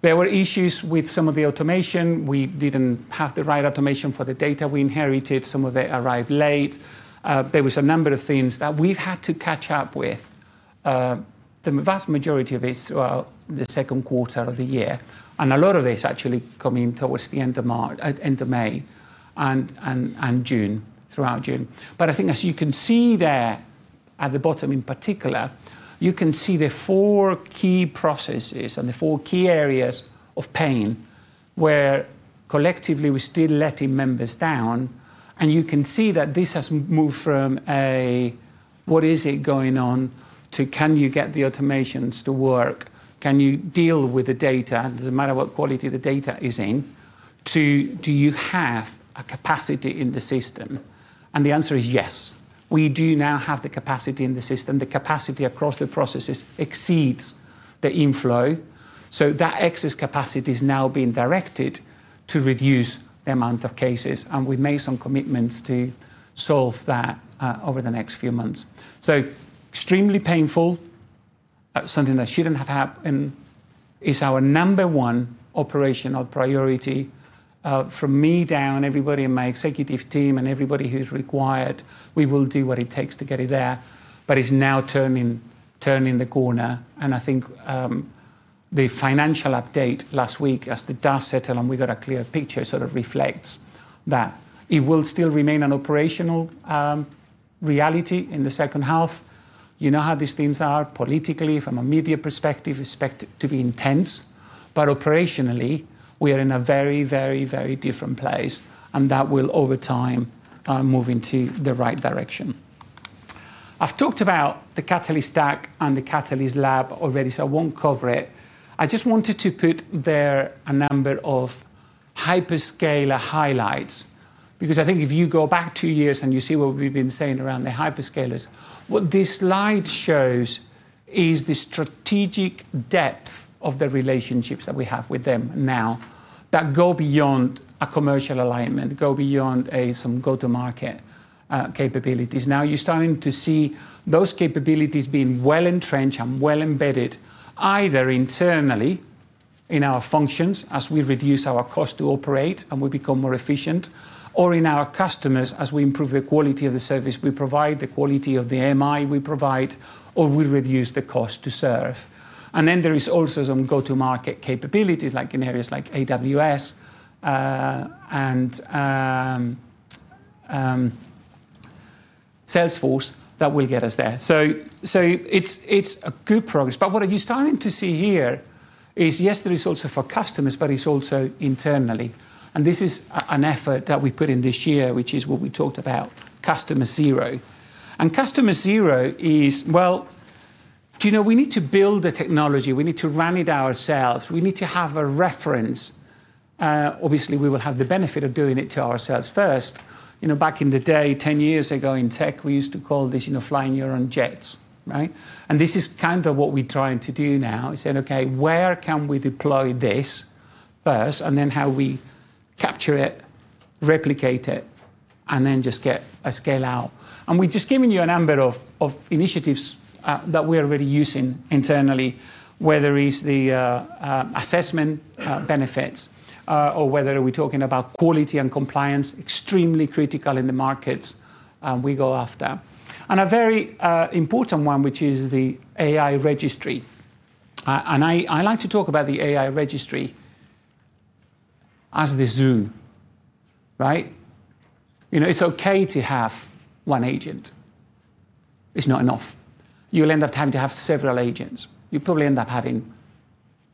There were issues with some of the automation. We didn't have the right automation for the data we inherited. Some of it arrived late. There was a number of things that we've had to catch up with. The vast majority of it is throughout the second quarter of the year, a lot of it's actually coming towards the end of May and throughout June. I think as you can see there at the bottom in particular, you can see the four key processes and the four key areas of pain where collectively we're still letting members down. You can see that this has moved from a what is it going on to can you get the automations to work? Can you deal with the data? Doesn't matter what quality the data is in, to do you have a capacity in the system? The answer is yes. We do now have the capacity in the system. The capacity across the processes exceeds the inflow. That excess capacity is now being directed to reduce the amount of cases, we've made some commitments to solve that over the next few months. Extremely painful. That's something that shouldn't have happened, is our number one operational priority. From me down, everybody in my executive team and everybody who's required, we will do what it takes to get it there. It's now turning the corner, I think the financial update last week as the dust settled and we got a clear picture, sort of reflects that. It will still remain an operational reality in the second half. You know how these things are politically, from a media perspective, expect it to be intense. Operationally, we are in a very different place, that will over time move into the right direction. I've talked about the Catalyst Stack and the Catalyst Lab already, so I won't cover it. I just wanted to put there a number of hyperscaler highlights because I think if you go back two years and you see what we've been saying around the hyperscalers, what this slide shows is the strategic depth of the relationships that we have with them now that go beyond a commercial alignment, go beyond some go-to-market capabilities. You're starting to see those capabilities being well entrenched and well embedded, either internally in our functions as we reduce our cost to operate and we become more efficient, or in our customers as we improve the quality of the service we provide, the quality of the MI we provide, or we reduce the cost to serve. There is also some go-to-market capabilities like in areas like AWS and Salesforce that will get us there. It's a good progress. What you're starting to see here is, yes, there is also for customers, but it's also internally. This is an effort that we put in this year, which is what we talked about, customer zero. Customer zero is, well, we need to build the technology. We need to run it ourselves. We need to have a reference. Obviously, we will have the benefit of doing it to ourselves first. Back in the day, 10 years ago in tech, we used to call this flying your own jets. Right? This is kind of what we're trying to do now, saying, "Okay, where can we deploy this first?" Then how we capture it, replicate it, and then just get a scale out. We're just giving you a number of initiatives that we're already using internally, whether it is the assessment benefits or whether we're talking about quality and compliance, extremely critical in the markets we go after. A very important one, which is the AI registry. I like to talk about the AI registry as the zoo. It's okay to have one agent. It's not enough. You'll end up having to have several agents. You probably end up having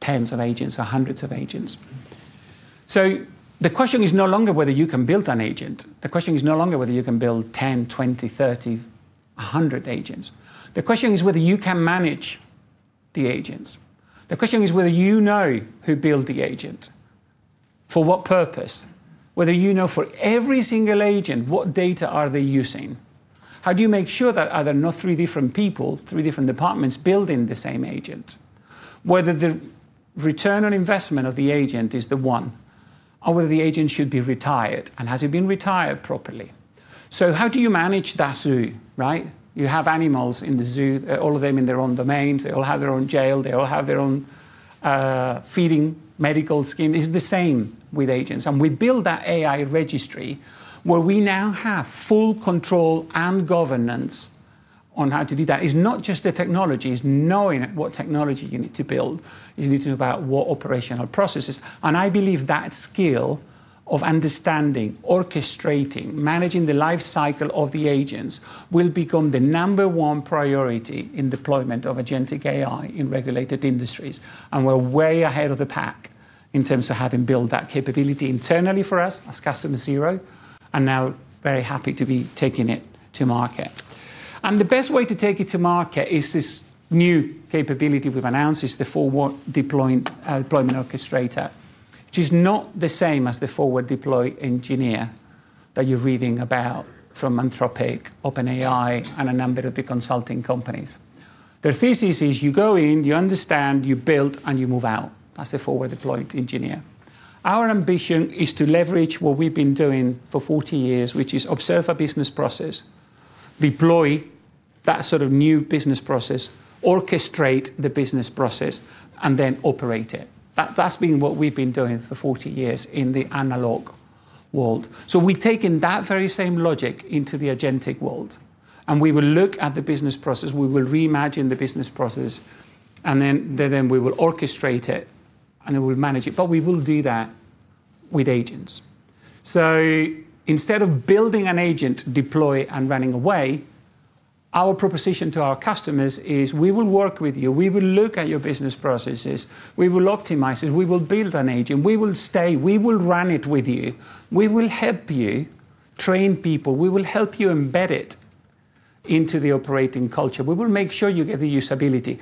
tens of agents or hundreds of agents. The question is no longer whether you can build an agent. The question is no longer whether you can build 10, 20, 30, 100 agents. The question is whether you can manage the agents. The question is whether you know who built the agent, for what purpose, whether you know for every single agent what data are they using. How do you make sure that are there not three different people, three different departments building the same agent? Whether the return on investment of the agent is the one, or whether the agent should be retired, and has he been retired properly? How do you manage that zoo, right? You have animals in the zoo, all of them in their own domains. They all have their own jail. They all have their own feeding, medical scheme. It's the same with agents. We build that AI registry where we now have full control and governance on how to do that. It's not just the technology, it's knowing what technology you need to build. It's needing to know about what operational processes. I believe that skill of understanding, orchestrating, managing the life cycle of the agents will become the number one priority in deployment of agentic AI in regulated industries. We're way ahead of the pack in terms of having built that capability internally for us as customer zero, and now very happy to be taking it to market. The best way to take it to market is this new capability we've announced, is the forward deployment orchestrator, which is not the same as the forward deploy engineer that you're reading about from Anthropic, OpenAI, and a number of the consulting companies. The thesis is you go in, you understand, you build, and you move out as the forward deployed engineer. Our ambition is to leverage what we've been doing for 40 years, which is observe a business process, deploy that new business process, orchestrate the business process, and then operate it. That's been what we've been doing for 40 years in the analog world. We've taken that very same logic into the agentic world. We will look at the business process. We will reimagine the business process, then we will orchestrate it, then we'll manage it. We will do that with agents. Instead of building an agent deploy and running away, our proposition to our customers is we will work with you. We will look at your business processes. We will optimize it. We will build an agent. We will stay. We will run it with you. We will help you train people. We will help you embed it into the operating culture. We will make sure you get the usability.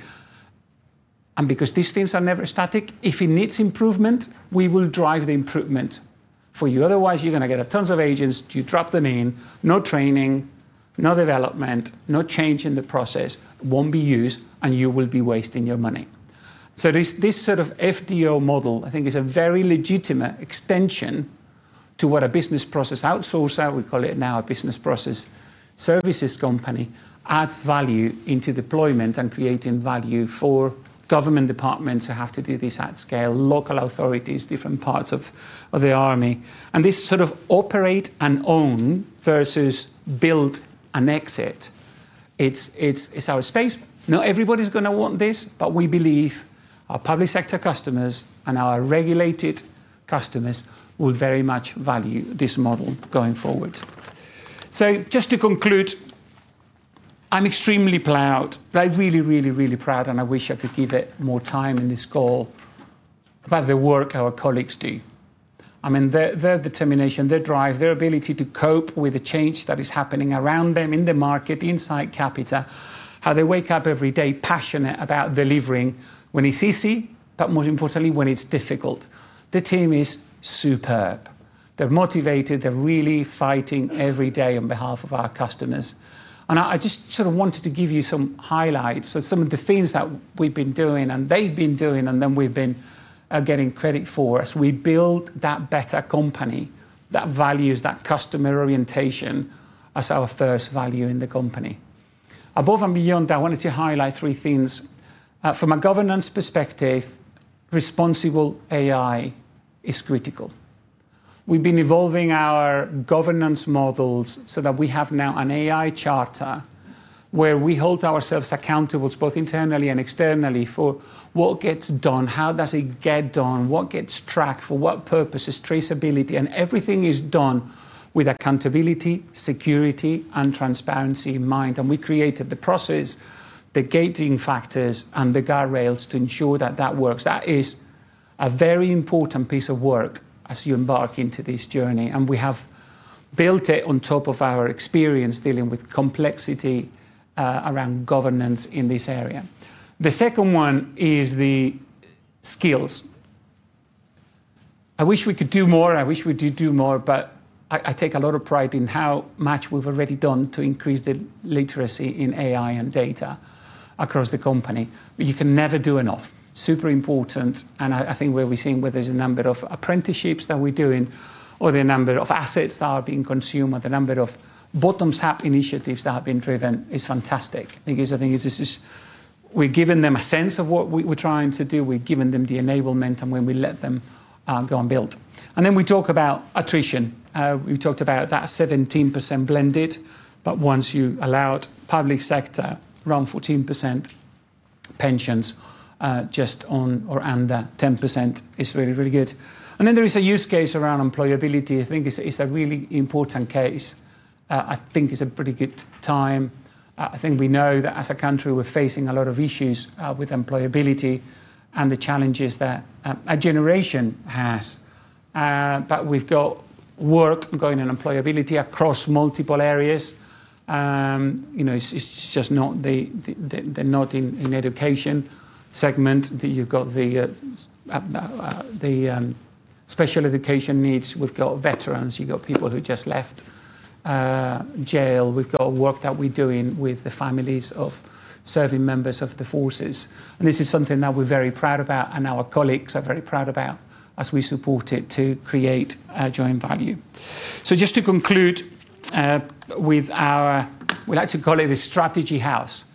Because these things are never static, if it needs improvement, we will drive the improvement for you. Otherwise, you're going to get tons of agents. You drop them in. No training, no development, no change in the process, won't be used, and you will be wasting your money. This sort of FDO model, I think, is a very legitimate extension to what a business process outsourcer, we call it now a business process services company, adds value into deployment and creating value for government departments who have to do this at scale, local authorities, different parts of the army. This sort of operate and own versus build and exit. It's our space. Not everybody's going to want this. We believe our public sector customers and our regulated customers will very much value this model going forward. Just to conclude, I'm extremely proud. Like really, really, really proud, and I wish I could give it more time in this call about the work our colleagues do. I mean, their determination, their drive, their ability to cope with the change that is happening around them in the market, inside Capita. How they wake up every day passionate about delivering when it's easy, but more importantly, when it's difficult. The team is superb. They're motivated. They're really fighting every day on behalf of our customers. I just sort of wanted to give you some highlights of some of the things that we've been doing and they've been doing, we've been getting credit for as we build that better company that values that customer orientation as our first value in the company. Above and beyond that, I wanted to highlight three things. From a governance perspective, responsible AI is critical. We've been evolving our governance models so that we have now an AI Charter where we hold ourselves accountable both internally and externally for what gets done, how does it get done, what gets tracked, for what purposes, traceability. Everything is done with accountability, security, and transparency in mind. We created the process, the gating factors, and the guardrails to ensure that that works. That is a very important piece of work as you embark into this journey. We have built it on top of our experience dealing with complexity around governance in this area. The second one is the skills. I wish we could do more. I wish we did do more. I take a lot of pride in how much we've already done to increase the literacy in AI and data across the company. You can never do enough. Super important. I think where we're seeing whether it's the number of apprenticeships that we're doing or the number of assets that are being consumed or the number of bottoms-up initiatives that have been driven is fantastic. I think this is We've given them a sense of what we're trying to do. We've given them the enablement. When we let them, go and build. We talk about attrition. We talked about that 17% blended. Once you allow it, public sector, around 14% pensions, just on or under 10% is really, really good. There is a use case around employability. I think it's a really important case. I think it's a pretty good time. I think we know that as a country, we're facing a lot of issues with employability and the challenges that a generation has. We've got work going in employability across multiple areas. They're not in education segment. You've got the special education needs. We've got veterans. You've got people who just left jail. We've got work that we're doing with the families of serving members of the forces. This is something that we're very proud about and our colleagues are very proud about as we support it to create joint value. Just to conclude with our, we like to call it a strategy house.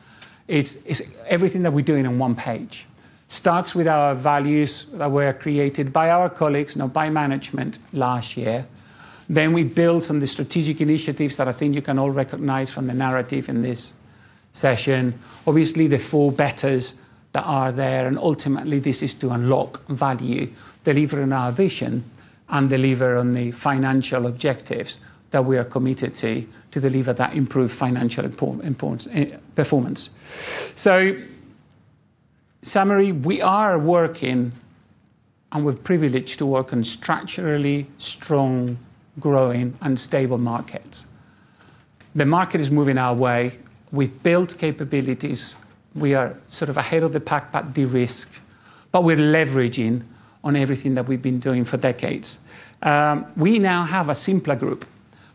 It's everything that we're doing on one page. Starts with our values that were created by our colleagues, not by management, last year. We build some of the strategic initiatives that I think you can all recognize from the narrative in this session. Obviously, the four betters that are there. Ultimately this is to unlock value, deliver on our vision, and deliver on the financial objectives that we are committed to deliver that improved financial performance. In summary, we are working, and we're privileged to work in structurally strong, growing, and stable markets. The market is moving our way. We've built capabilities. We are sort of ahead of the pack but de-risked. We're leveraging on everything that we've been doing for decades. We now have a simpler group.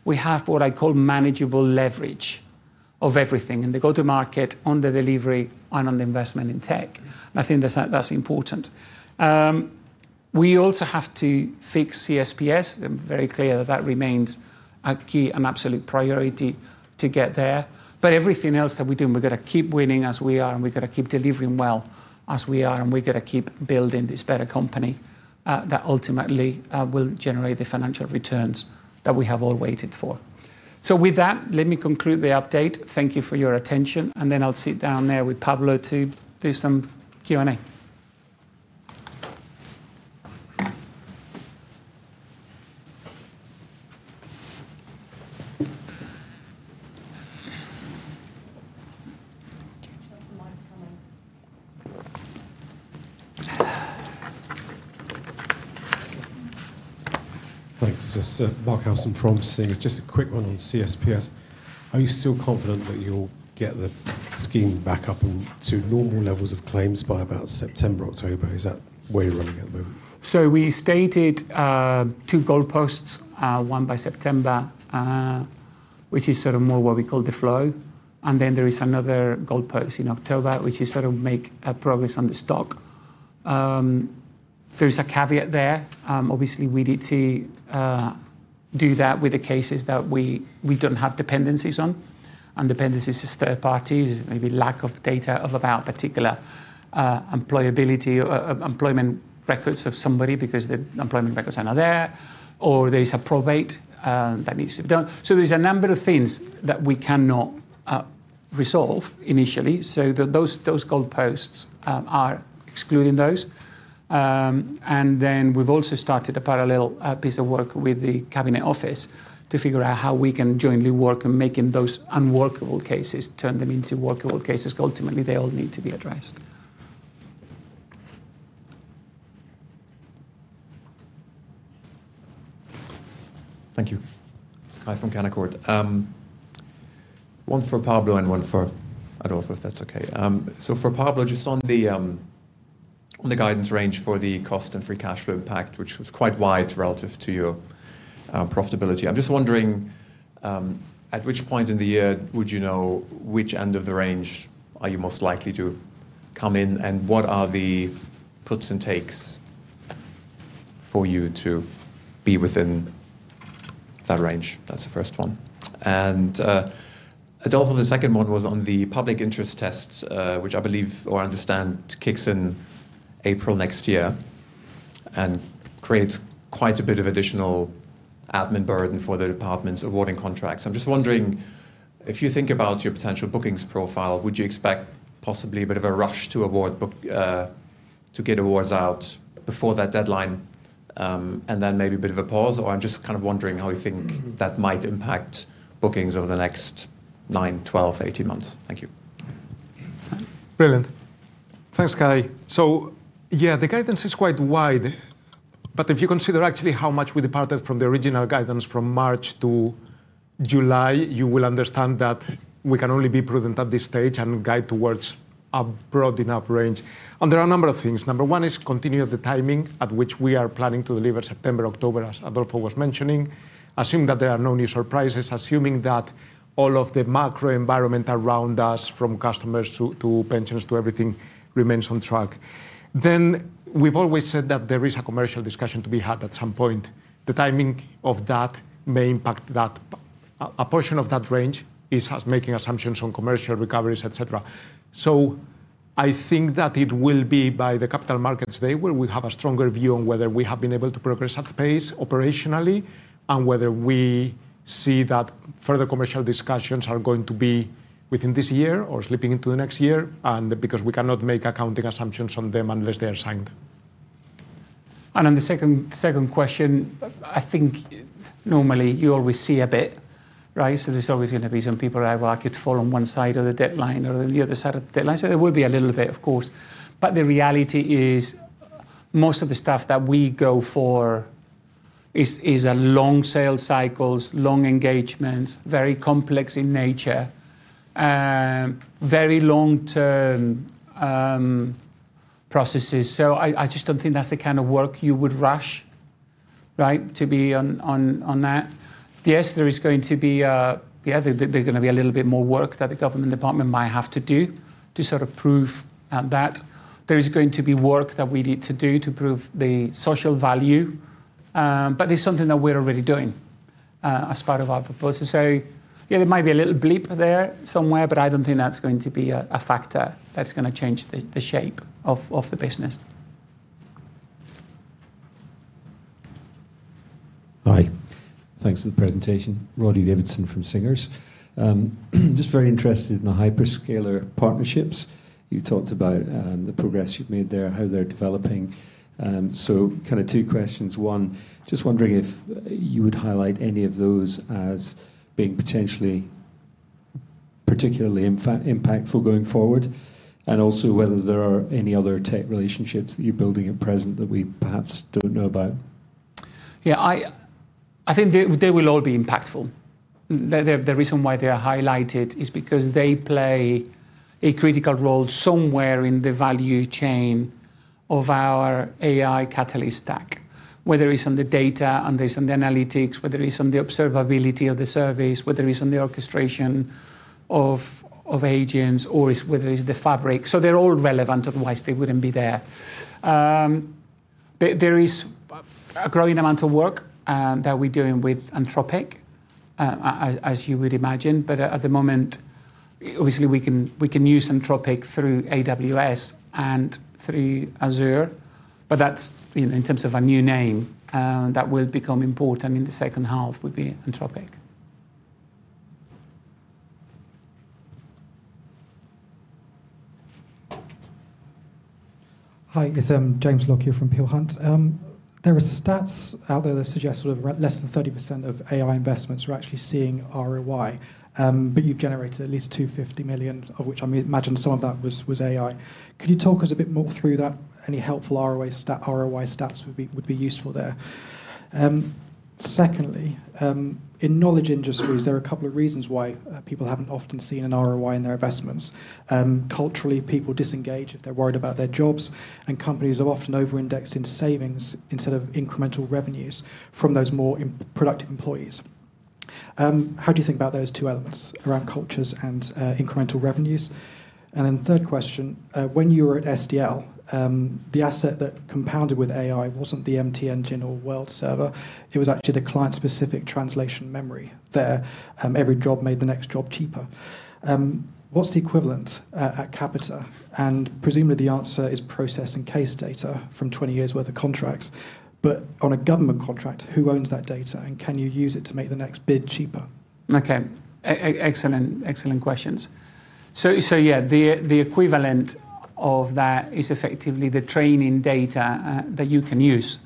We have what I call manageable leverage of everything in the go-to-market, on the delivery, and on the investment in tech. I think that's important. We also have to fix CSPS. I'm very clear that that remains a key and absolute priority to get there. Everything else that we're doing, we've got to keep winning as we are, and we've got to keep delivering well as we are, and we've got to keep building this better company that ultimately will generate the financial returns that we have all waited for. With that, let me conclude the update. Thank you for your attention. I'll sit down there with Pablo to do some Q&A. There are some mics coming. Thanks. Mark House from Progressing. Just a quick one on CSPS. Are you still confident that you'll get the scheme back up and to normal levels of claims by about September, October? Is that where you're running at the moment? We stated two goalposts, one by September, which is sort of more what we call the flow. There is another goalpost in October, which is sort of make progress on the stock. There is a caveat there. Obviously, we need to do that with the cases that we don't have dependencies on. Dependencies is third parties, maybe lack of data of about particular employability or employment records of somebody because the employment records are not there, or there's a probate that needs to be done. There's a number of things that we cannot resolve initially. Those goalposts are excluding those. Then we've also started a parallel piece of work with the Cabinet Office to figure out how we can jointly work on making those unworkable cases, turn them into workable cases. Ultimately, they all need to be addressed. Thank you. Sky from Canaccord. One for Pablo and one for Adolfo, if that is okay. For Pablo, just on the guidance range for the cost and free cash flow impact, which was quite wide relative to your profitability. I am just wondering, at which point in the year would you know which end of the range are you most likely to come in, and what are the puts and takes for you to be within that range? That is the first one. Adolfo, the second one was on the Public Interest Test, which I believe or understand kicks in April next year and creates quite a bit of additional admin burden for the departments awarding contracts. I am just wondering, if you think about your potential bookings profile, would you expect possibly a bit of a rush to get awards out before that deadline, and then maybe a bit of a pause? I am just kind of wondering how you think that might impact bookings over the next 9, 12, 18 months. Thank you. Brilliant. Thanks, Sky. Yeah, the guidance is quite wide, but if you consider actually how much we departed from the original guidance from March to July, you will understand that we can only be prudent at this stage and guide towards a broad enough range. There are a number of things. Number 1 is continuity of the timing at which we are planning to deliver September, October, as Adolfo was mentioning. Assume that there are no new surprises, assuming that all of the macro environment around us, from customers to pensions to everything, remains on track. We have always said that there is a commercial discussion to be had at some point. The timing of that may impact that. A portion of that range is us making assumptions on commercial recoveries, et cetera. I think that it will be by the capital markets day, where we have a stronger view on whether we have been able to progress at pace operationally and whether we see that further commercial discussions are going to be within this year or slipping into the next year, because we cannot make accounting assumptions on them unless they are signed. On the second question, I think normally you always see a bit. There is always going to be some people who are like, "It fall on one side of the deadline or the other side of the deadline." There will be a little bit, of course, but the reality is most of the stuff that we go for is long sale cycles, long engagements, very complex in nature, very long-term processes. I just don't think that's the kind of work you would rush to be on that. Yes, there's going to be a little bit more work that the government department might have to do to sort of prove that. There is going to be work that we need to do to prove the social value. This is something that we're already doing as part of our proposal. There might be a little bleep there somewhere. I don't think that's going to be a factor that is going to change the shape of the business. Hi. Thanks for the presentation. Roddy Davidson from Singer Capital Markets. Very interested in the hyperscaler partnerships. You talked about the progress you've made there, how they're developing. Two questions. One, wondering if you would highlight any of those as being potentially particularly impactful going forward, and also whether there are any other tech relationships that you're building at present that we perhaps don't know about. I think they will all be impactful. The reason why they are highlighted is because they play a critical role somewhere in the value chain of our AI Catalyst Stack, whether it's on the data and there's on the analytics, whether it's on the observability of the service, whether it's on the orchestration of agents or whether it's the fabric. They're all relevant, otherwise they wouldn't be there. There is a growing amount of work that we're doing with Anthropic, as you would imagine. At the moment, obviously, we can use Anthropic through AWS and through Azure. That's in terms of a new name that will become important in the second half would be Anthropic. Hi, it's James Lockyer here from Peel Hunt. There are stats out there that suggest less than 30% of AI investments are actually seeing ROI. You've generated at least 250 million, of which I imagine some of that was AI. Could you talk us a bit more through that? Any helpful ROI stats would be useful there. Secondly, in knowledge industries, there are a couple of reasons why people haven't often seen an ROI in their investments. Culturally, people disengage if they're worried about their jobs, and companies are often over-indexed in savings instead of incremental revenues from those more productive employees. How do you think about those two elements around cultures and incremental revenues? Third question, when you were at SDL, the asset that compounded with AI wasn't the MT engine or WorldServer, it was actually the client-specific translation memory there. Every job made the next job cheaper. What's the equivalent at Capita? Presumably the answer is process and case data from 20 years' worth of contracts. On a government contract, who owns that data and can you use it to make the next bid cheaper? Okay. Excellent questions. Yeah, the equivalent of that is effectively the training data that you can use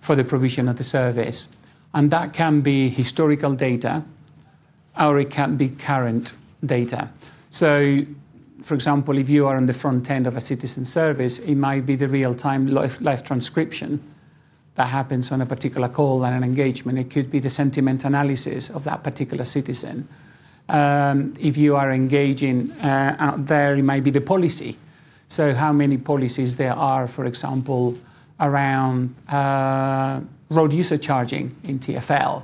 for the provision of the service, and that can be historical data, or it can be current data. For example, if you are on the front end of a citizen service, it might be the real-time live transcription that happens on a particular call and an engagement. It could be the sentiment analysis of that particular citizen. If you are engaging out there, it might be the policy. How many policies there are, for example, around road user charging in TFL.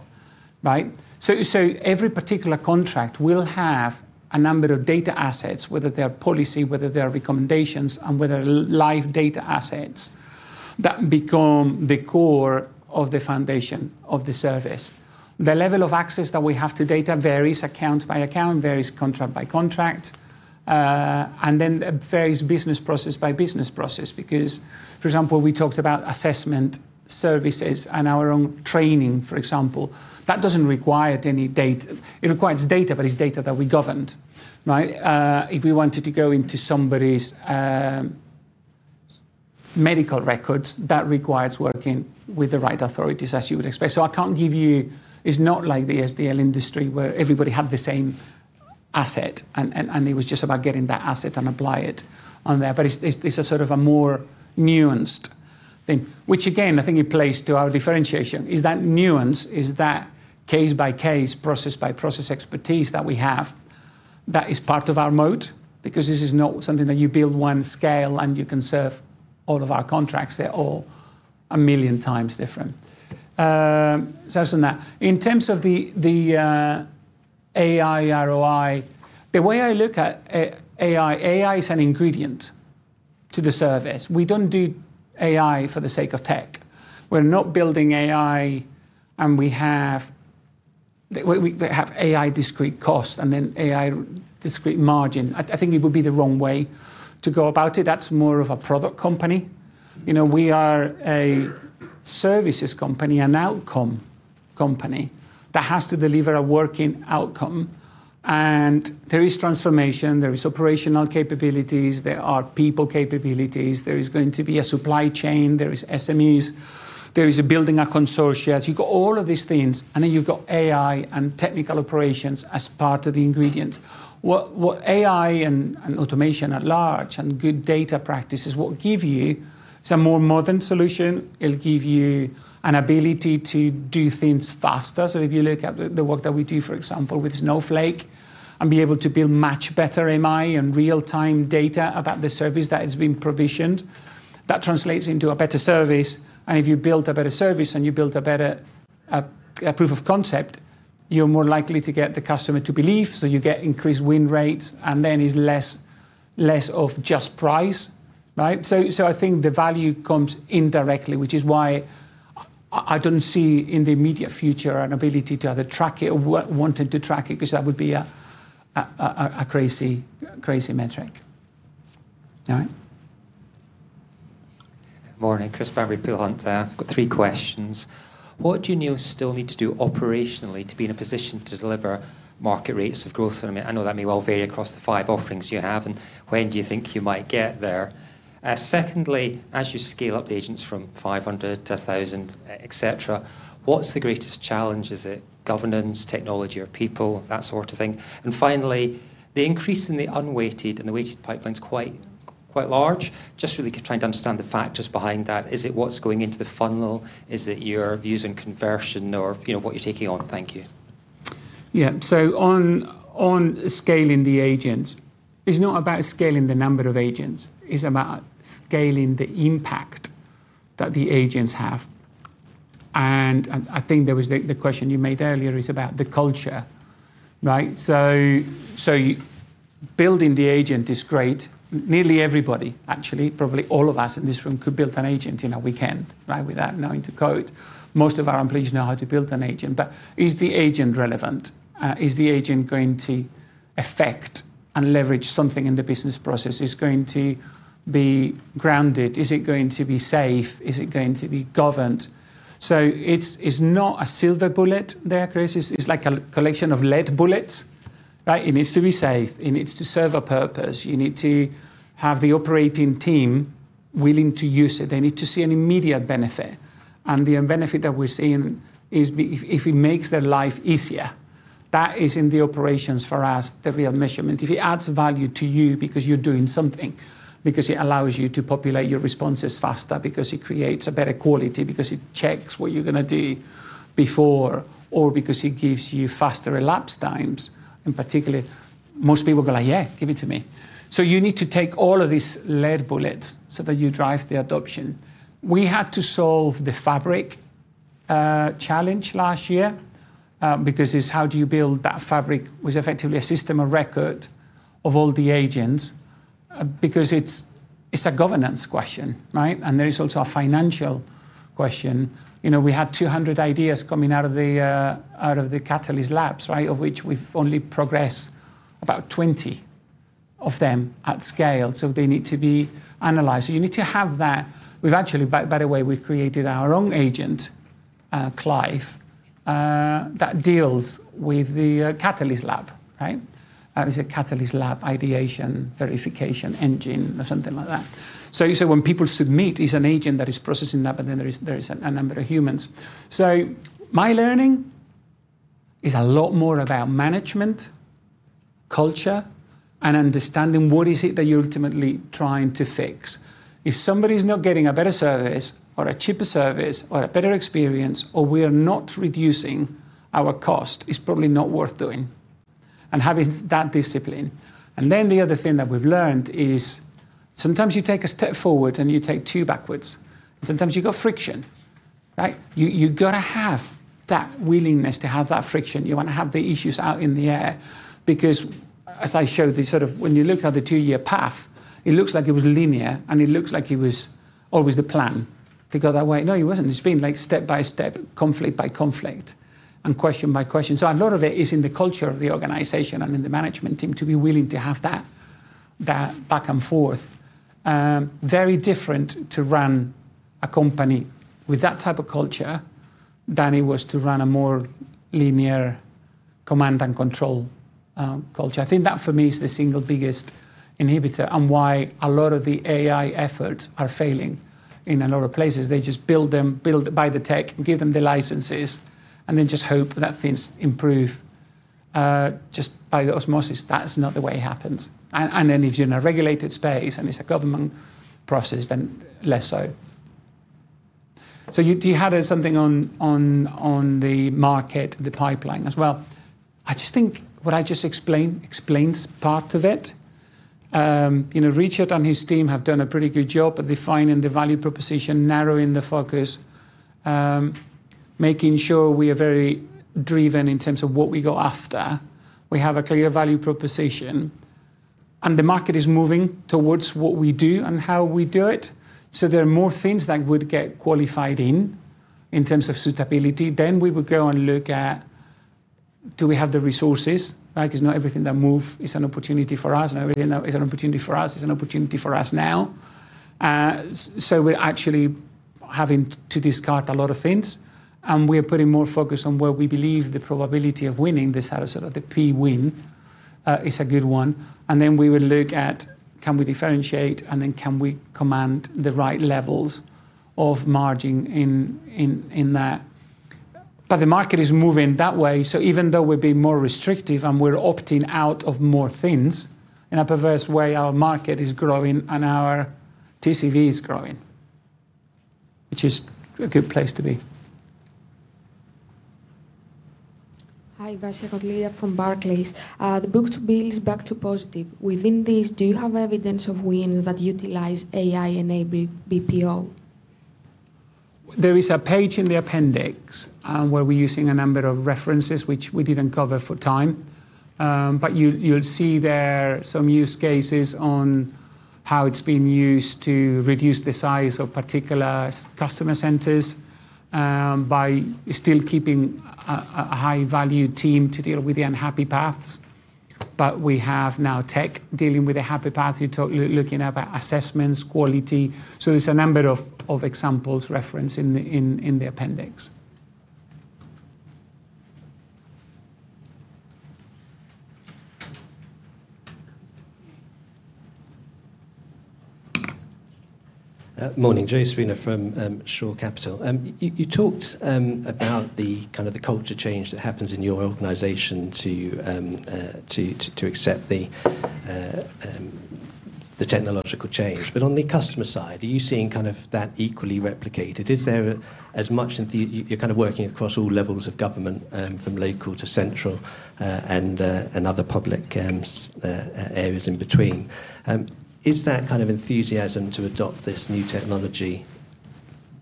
Every particular contract will have a number of data assets, whether they're policy, whether they're recommendations, and whether live data assets that become the core of the foundation of the service. The level of access that we have to data varies account by account, varies contract by contract, and then varies business process by business process. For example, we talked about assessment services and our own training, for example. That doesn't require any data. It requires data, but it's data that we governed. If we wanted to go into somebody's medical records, that requires working with the right authorities as you would expect. I can't give you It's not like the SDL industry where everybody had the same asset and it was just about getting that asset and apply it on there. It's a sort of a more nuanced thing, which again, I think it plays to our differentiation, is that nuance, is that case-by-case, process-by-process expertise that we have that is part of our moat because this is not something that you build one scale and you can serve all of our contracts. They're all a million times different. That's on that. In terms of the AI ROI, the way I look at AI is an ingredient to the service. We don't do AI for the sake of tech. We're not building AI, and we have AI discrete cost and then AI discrete margin. I think it would be the wrong way to go about it. That's more of a product company. We are a services company, an outcome company that has to deliver a working outcome. There is transformation, there is operational capabilities, there are people capabilities. There is going to be a supply chain. There is SMEs. There is building a consortium. You've got all of these things, and then you've got AI and technical operations as part of the ingredient. What AI and automation at large and good data practices will give you is a more modern solution. It'll give you an ability to do things faster. If you look at the work that we do, for example, with Snowflake, and be able to build much better MI and real-time data about the service that is being provisioned, that translates into a better service. If you build a better service and you build a better proof of concept, you're more likely to get the customer to believe, so you get increased win rates, and then it's less of just price, right. I think the value comes indirectly, which is why I don't see in the immediate future an ability to either track it or wanting to track it. Because that would be a crazy metric. All right. Morning. Chris Bamberry, Peel Hunt. I've got three questions. What do you still need to do operationally to be in a position to deliver market rates of growth? I know that may well vary across the five offerings you have. When do you think you might get there? Secondly, as you scale up the agents from 500 to 1,000, et cetera, what's the greatest challenge? Is it governance, technology or people, that sort of thing? Finally, the increase in the unweighted and the weighted pipeline's quite large. Just really trying to understand the factors behind that. Is it what's going into the funnel? Is it your views in conversion or what you're taking on? Thank you. On scaling the agent, it's not about scaling the number of agents. It's about scaling the impact that the agents have. I think the question you made earlier is about the culture, right. Building the agent is great. Nearly everybody, actually, probably all of us in this room could build an agent in a weekend, right. Without knowing to code. Most of our employees know how to build an agent. Is the agent relevant? Is the agent going to affect and leverage something in the business process? Is it going to be grounded? Is it going to be safe? Is it going to be governed? It's not a silver bullet there, Chris. It's like a collection of lead bullets, right. It needs to be safe. It needs to serve a purpose. You need to have the operating team willing to use it. They need to see an immediate benefit. The benefit that we're seeing is if it makes their life easier. That is in the operations for us, the real measurement. If it adds value to you because you're doing something, because it allows you to populate your responses faster, because it creates a better quality, because it checks what you're going to do before, or because it gives you faster relapse times, and particularly most people go like, "Yeah, give it to me." You need to take all of these lead bullets so that you drive the adoption. We had to solve the fabric challenge last year because it's how do you build that fabric with effectively a system of record of all the agents? Because it's a governance question, right? There is also a financial question. We had 200 ideas coming out of the Catalyst Labs, right? Of which we've only progressed about 20 of them at scale. They need to be analyzed. You need to have that. By the way, we've created our own agent, CLIVE, that deals with the Catalyst Lab. Right? It's a Catalyst Lab ideation, verification engine or something like that. You say when people submit, it's an agent that is processing that, but there is a number of humans. My learning is a lot more about management, culture, and understanding what is it that you're ultimately trying to fix. If somebody's not getting a better service or a cheaper service or a better experience or we are not reducing our cost, it's probably not worth doing, and having that discipline. The other thing that we've learned is sometimes you take a step forward, and you take two backwards, and sometimes you've got friction, right? You've got to have that willingness to have that friction. You want to have the issues out in the air because as I showed, when you look at the two-year path, it looks like it was linear, and it looks like it was always the plan to go that way. No, it wasn't. It's been step by step, conflict by conflict, and question by question. A lot of it is in the culture of the organization and in the management team to be willing to have that back and forth. Very different to run a company with that type of culture than it was to run a more linear command and control culture. I think that, for me, is the single biggest inhibitor and why a lot of the AI efforts are failing in a lot of places. They just build them, buy the tech, give them the licenses, just hope that things improve just by the osmosis. That's not the way it happens. If you're in a regulated space and it's a government process, then less so. You had something on the market, the pipeline as well. I just think what I just explained explains part of it. Richard and his team have done a pretty good job at defining the value proposition, narrowing the focus, making sure we are very driven in terms of what we go after. We have a clear value proposition, and the market is moving towards what we do and how we do it. There are more things that would get qualified in terms of suitability. We would go and look at, do we have the resources? Not everything that moves is an opportunity for us, not everything that is an opportunity for us is an opportunity for us now. We're actually having to discard a lot of things, and we are putting more focus on where we believe the probability of winning this, the Pwin, is a good one. We will look at can we differentiate and then can we command the right levels of margin in that. The market is moving that way, even though we're being more restrictive and we're opting out of more things, in a perverse way, our market is growing, and our TCV is growing, which is a good place to be. Hi. Vasya Kotliar from Barclays. The book to bill is back to positive. Within this, do you have evidence of wins that utilize AI-enabled BPO? There is a page in the appendix where we're using a number of references, which we didn't cover for time. You'll see there some use cases on how it's being used to reduce the size of particular customer centers by still keeping a high-value team to deal with the unhappy paths. We have now tech dealing with the happy path. You're looking at assessments, quality. There's a number of examples referenced in the appendix. Morning. Joe Spina from Shore Capital. You talked about the culture change that happens in your organization to accept the technological change. On the customer side, are you seeing that equally replicated? You're working across all levels of government, from local to central, and other public areas in between. Is that kind of enthusiasm to adopt this new technology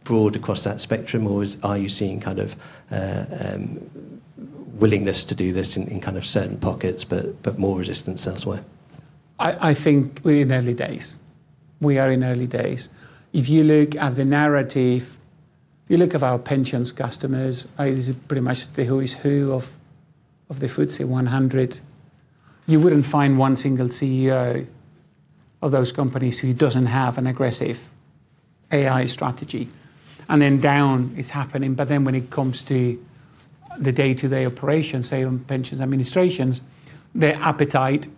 broad across that spectrum, or are you seeing willingness to do this in certain pockets but more resistance elsewhere? I think we are in early days. If you look at the narrative, if you look at our pensions customers, this is pretty much the who is who of the FTSE 100. You wouldn't find one single CEO of those companies who doesn't have an aggressive AI strategy. Down, it's happening. When it comes to the day-to-day operations, say on pensions administrations, their appetite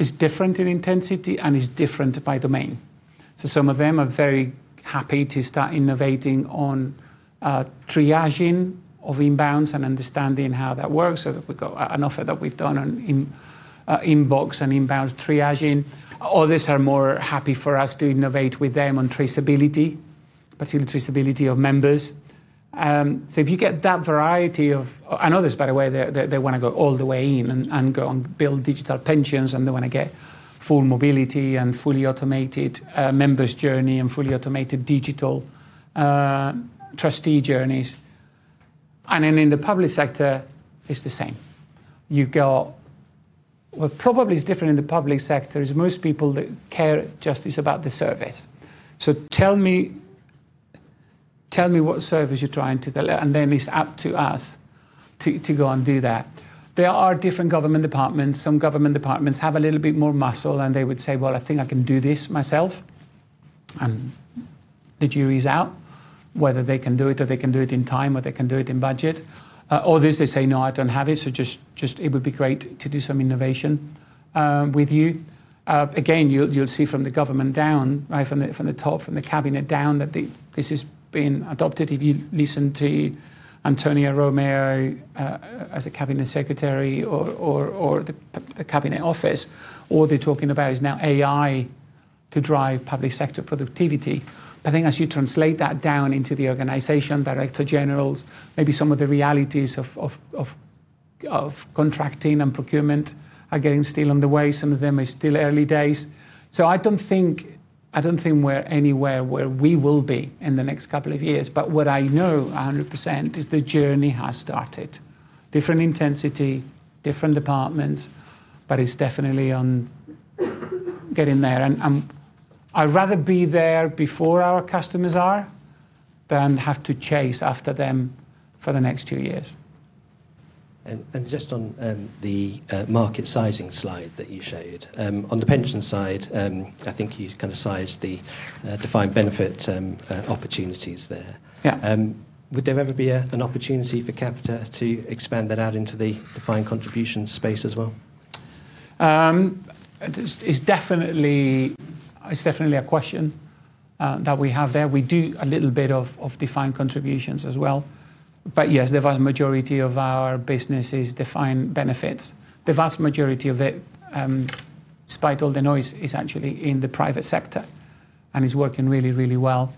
is different in intensity and is different by domain. Some of them are very happy to start innovating on triaging of inbounds and understanding how that works. We've got an offer that we've done on inbox and inbound triaging. Others are more happy for us to innovate with them on traceability, particular traceability of members. If you get that variety of Others, by the way, they want to go all the way in and go and build digital pensions, and they want to get full mobility and fully automated members journey and fully automated digital trustee journeys. In the public sector, it's the same. What probably is different in the public sector is most people care just about the service. Tell me what service you're trying to deliver, and then it's up to us to go and do that. There are different government departments. Some government departments have a little bit more muscle, and they would say, "Well, I think I can do this myself." The jury's out whether they can do it or they can do it in time or they can do it in budget. Others, they say, "No, I don't have it, so it would be great to do some innovation with you." Again, you'll see from the government down, from the top, from the Cabinet down, that this is being adopted. If you listen to Antonia Romeo as a Cabinet Secretary or the Cabinet Office, all they're talking about is now AI to drive public sector productivity. I think as you translate that down into the organization, director generals, maybe some of the realities of contracting and procurement are getting still on the way. Some of them are still early days. I don't think we're anywhere where we will be in the next couple of years. What I know 100% is the journey has started. Different intensity, different departments, it's definitely getting there. I'd rather be there before our customers are than have to chase after them for the next two years. Just on the market sizing slide that you showed. On the pension side, I think you sized the defined benefit opportunities there. Yeah. Would there ever be an opportunity for Capita to expand that out into the defined contribution space as well? It's definitely a question that we have there. We do a little bit of defined contributions as well. Yes, the vast majority of our business is defined benefits. The vast majority of it, despite all the noise, is actually in the private sector and is working really well.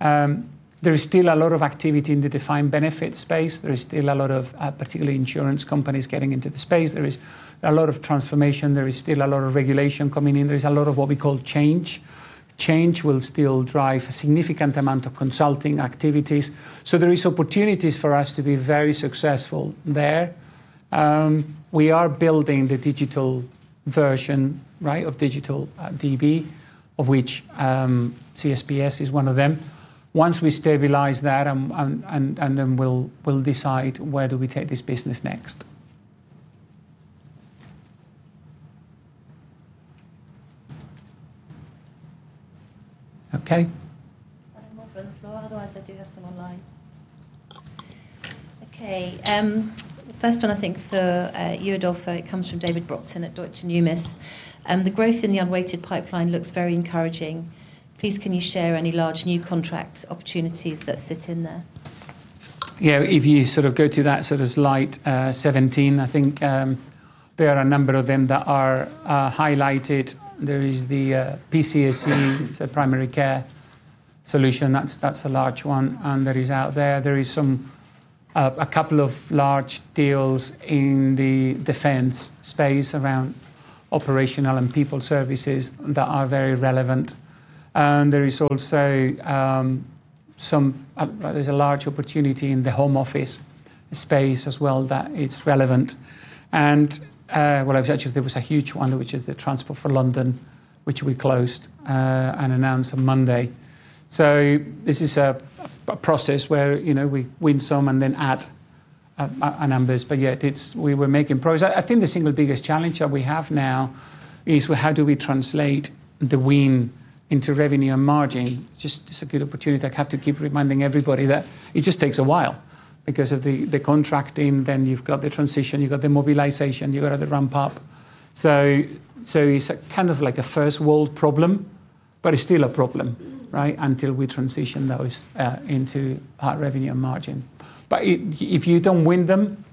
There is still a lot of activity in the defined benefit space. There is still a lot of, particularly insurance companies, getting into the space. There is a lot of transformation. There is still a lot of regulation coming in. There is a lot of what we call change. Change will still drive a significant amount of consulting activities. There is opportunities for us to be very successful there. We are building the digital version of digital DB, of which CSPS is one of them. Once we stabilize that, we'll decide where do we take this business next. Okay. One more from the floor, otherwise I do have some online. Okay. First one, I think for you, Adolfo, it comes from David Brockton at Deutsche Numis. The growth in the unweighted pipeline looks very encouraging. Please can you share any large new contract opportunities that sit in there? If you go to that slide 17, I think there are a number of them that are highlighted. There is the PCSE, it's a primary care solution. That's a large one that is out there. There is a couple of large deals in the defense space around operational and people services that are very relevant. There is a large opportunity in the Home Office space as well that it's relevant. Actually, there was a huge one, which is the Transport for London, which we closed and announced on Monday. This is a process where we win some and then add our numbers, but yet we were making progress. I think the single biggest challenge that we have now is how do we translate the win into revenue and margin. Just it's a good opportunity. I have to keep reminding everybody that it just takes a while because of the contracting, you've got the transition, you've got the mobilization, you've got the ramp up. It's like a first-world problem, but it's still a problem until we transition those into revenue and margin. If you don't win them,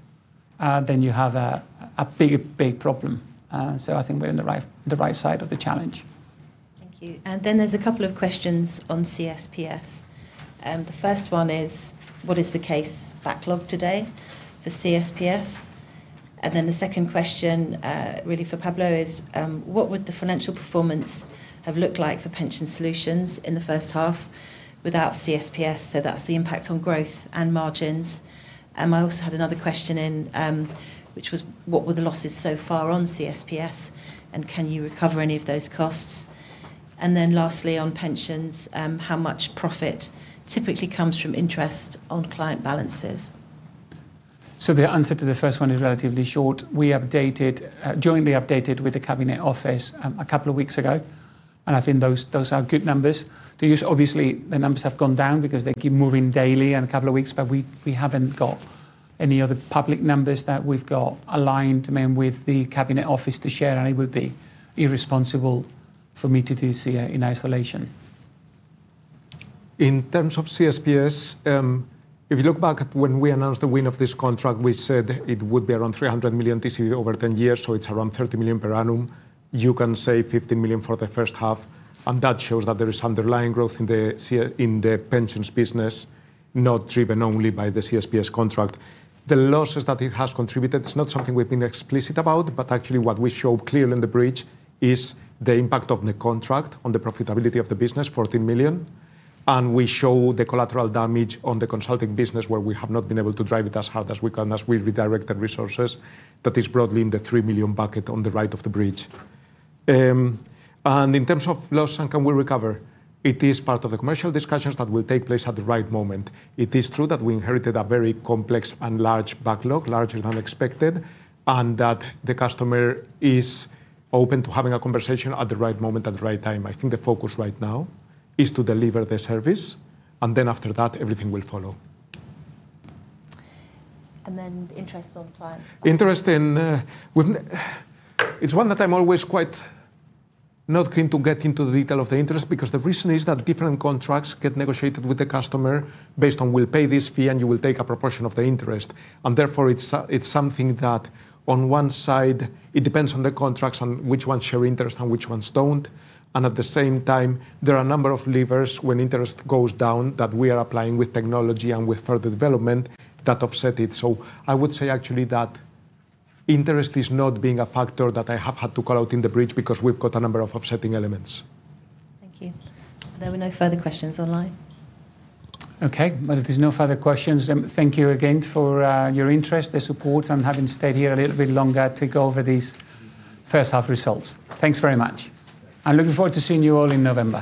then you have a big problem. I think we're in the right side of the challenge. Thank you. There's a couple of questions on CSPS. The first one is, what is the case backlog today for CSPS? The second question really for Pablo is, what would the financial performance have looked like for Pension Solutions in the first half without CSPS? That's the impact on growth and margins. I also had another question in, which was what were the losses so far on CSPS, can you recover any of those costs? Lastly on pensions, how much profit typically comes from interest on client balances? The answer to the first one is relatively short. We jointly updated with the Cabinet Office a couple of weeks ago, I think those are good numbers to use. Obviously, the numbers have gone down because they keep moving daily and a couple of weeks, we haven't got any other public numbers that we've got aligned with the Cabinet Office to share, it would be irresponsible for me to do so in isolation. In terms of CSPS, if you look back at when we announced the win of this contract, we said it would be around 300 million TCV over 10 years, so it's around 30 million per annum. You can say 15 million for the first half, and that shows that there is underlying growth in the pensions business, not driven only by the CSPS contract. The losses that it has contributed, it's not something we've been explicit about, but actually what we show clearly in the bridge is the impact of the contract on the profitability of the business, 14 million, and we show the collateral damage on the consulting business where we have not been able to drive it as hard as we can, as we've redirected resources. That is broadly in the 3 million bucket on the right of the bridge. In terms of loss and can we recover, it is part of the commercial discussions that will take place at the right moment. It is true that we inherited a very complex and large backlog, larger than expected, and that the customer is open to having a conversation at the right moment, at the right time. I think the focus right now is to deliver the service, and then after that, everything will follow. The interest on plan. It's one that I'm always quite not keen to get into the detail of the interest because the reason is that different contracts get negotiated with the customer based on we'll pay this fee, and you will take a proportion of the interest. Therefore, it's something that on one side it depends on the contracts, on which ones show interest and which ones don't, and at the same time, there are a number of levers when interest goes down that we are applying with technology and with further development that offset it. I would say actually that interest is not being a factor that I have had to call out in the bridge because we've got a number of offsetting elements. Thank you. There were no further questions online. Okay. Well, if there's no further questions, thank you again for your interest, the support, and having stayed here a little bit longer to go over these first half results. Thanks very much. I'm looking forward to seeing you all in November.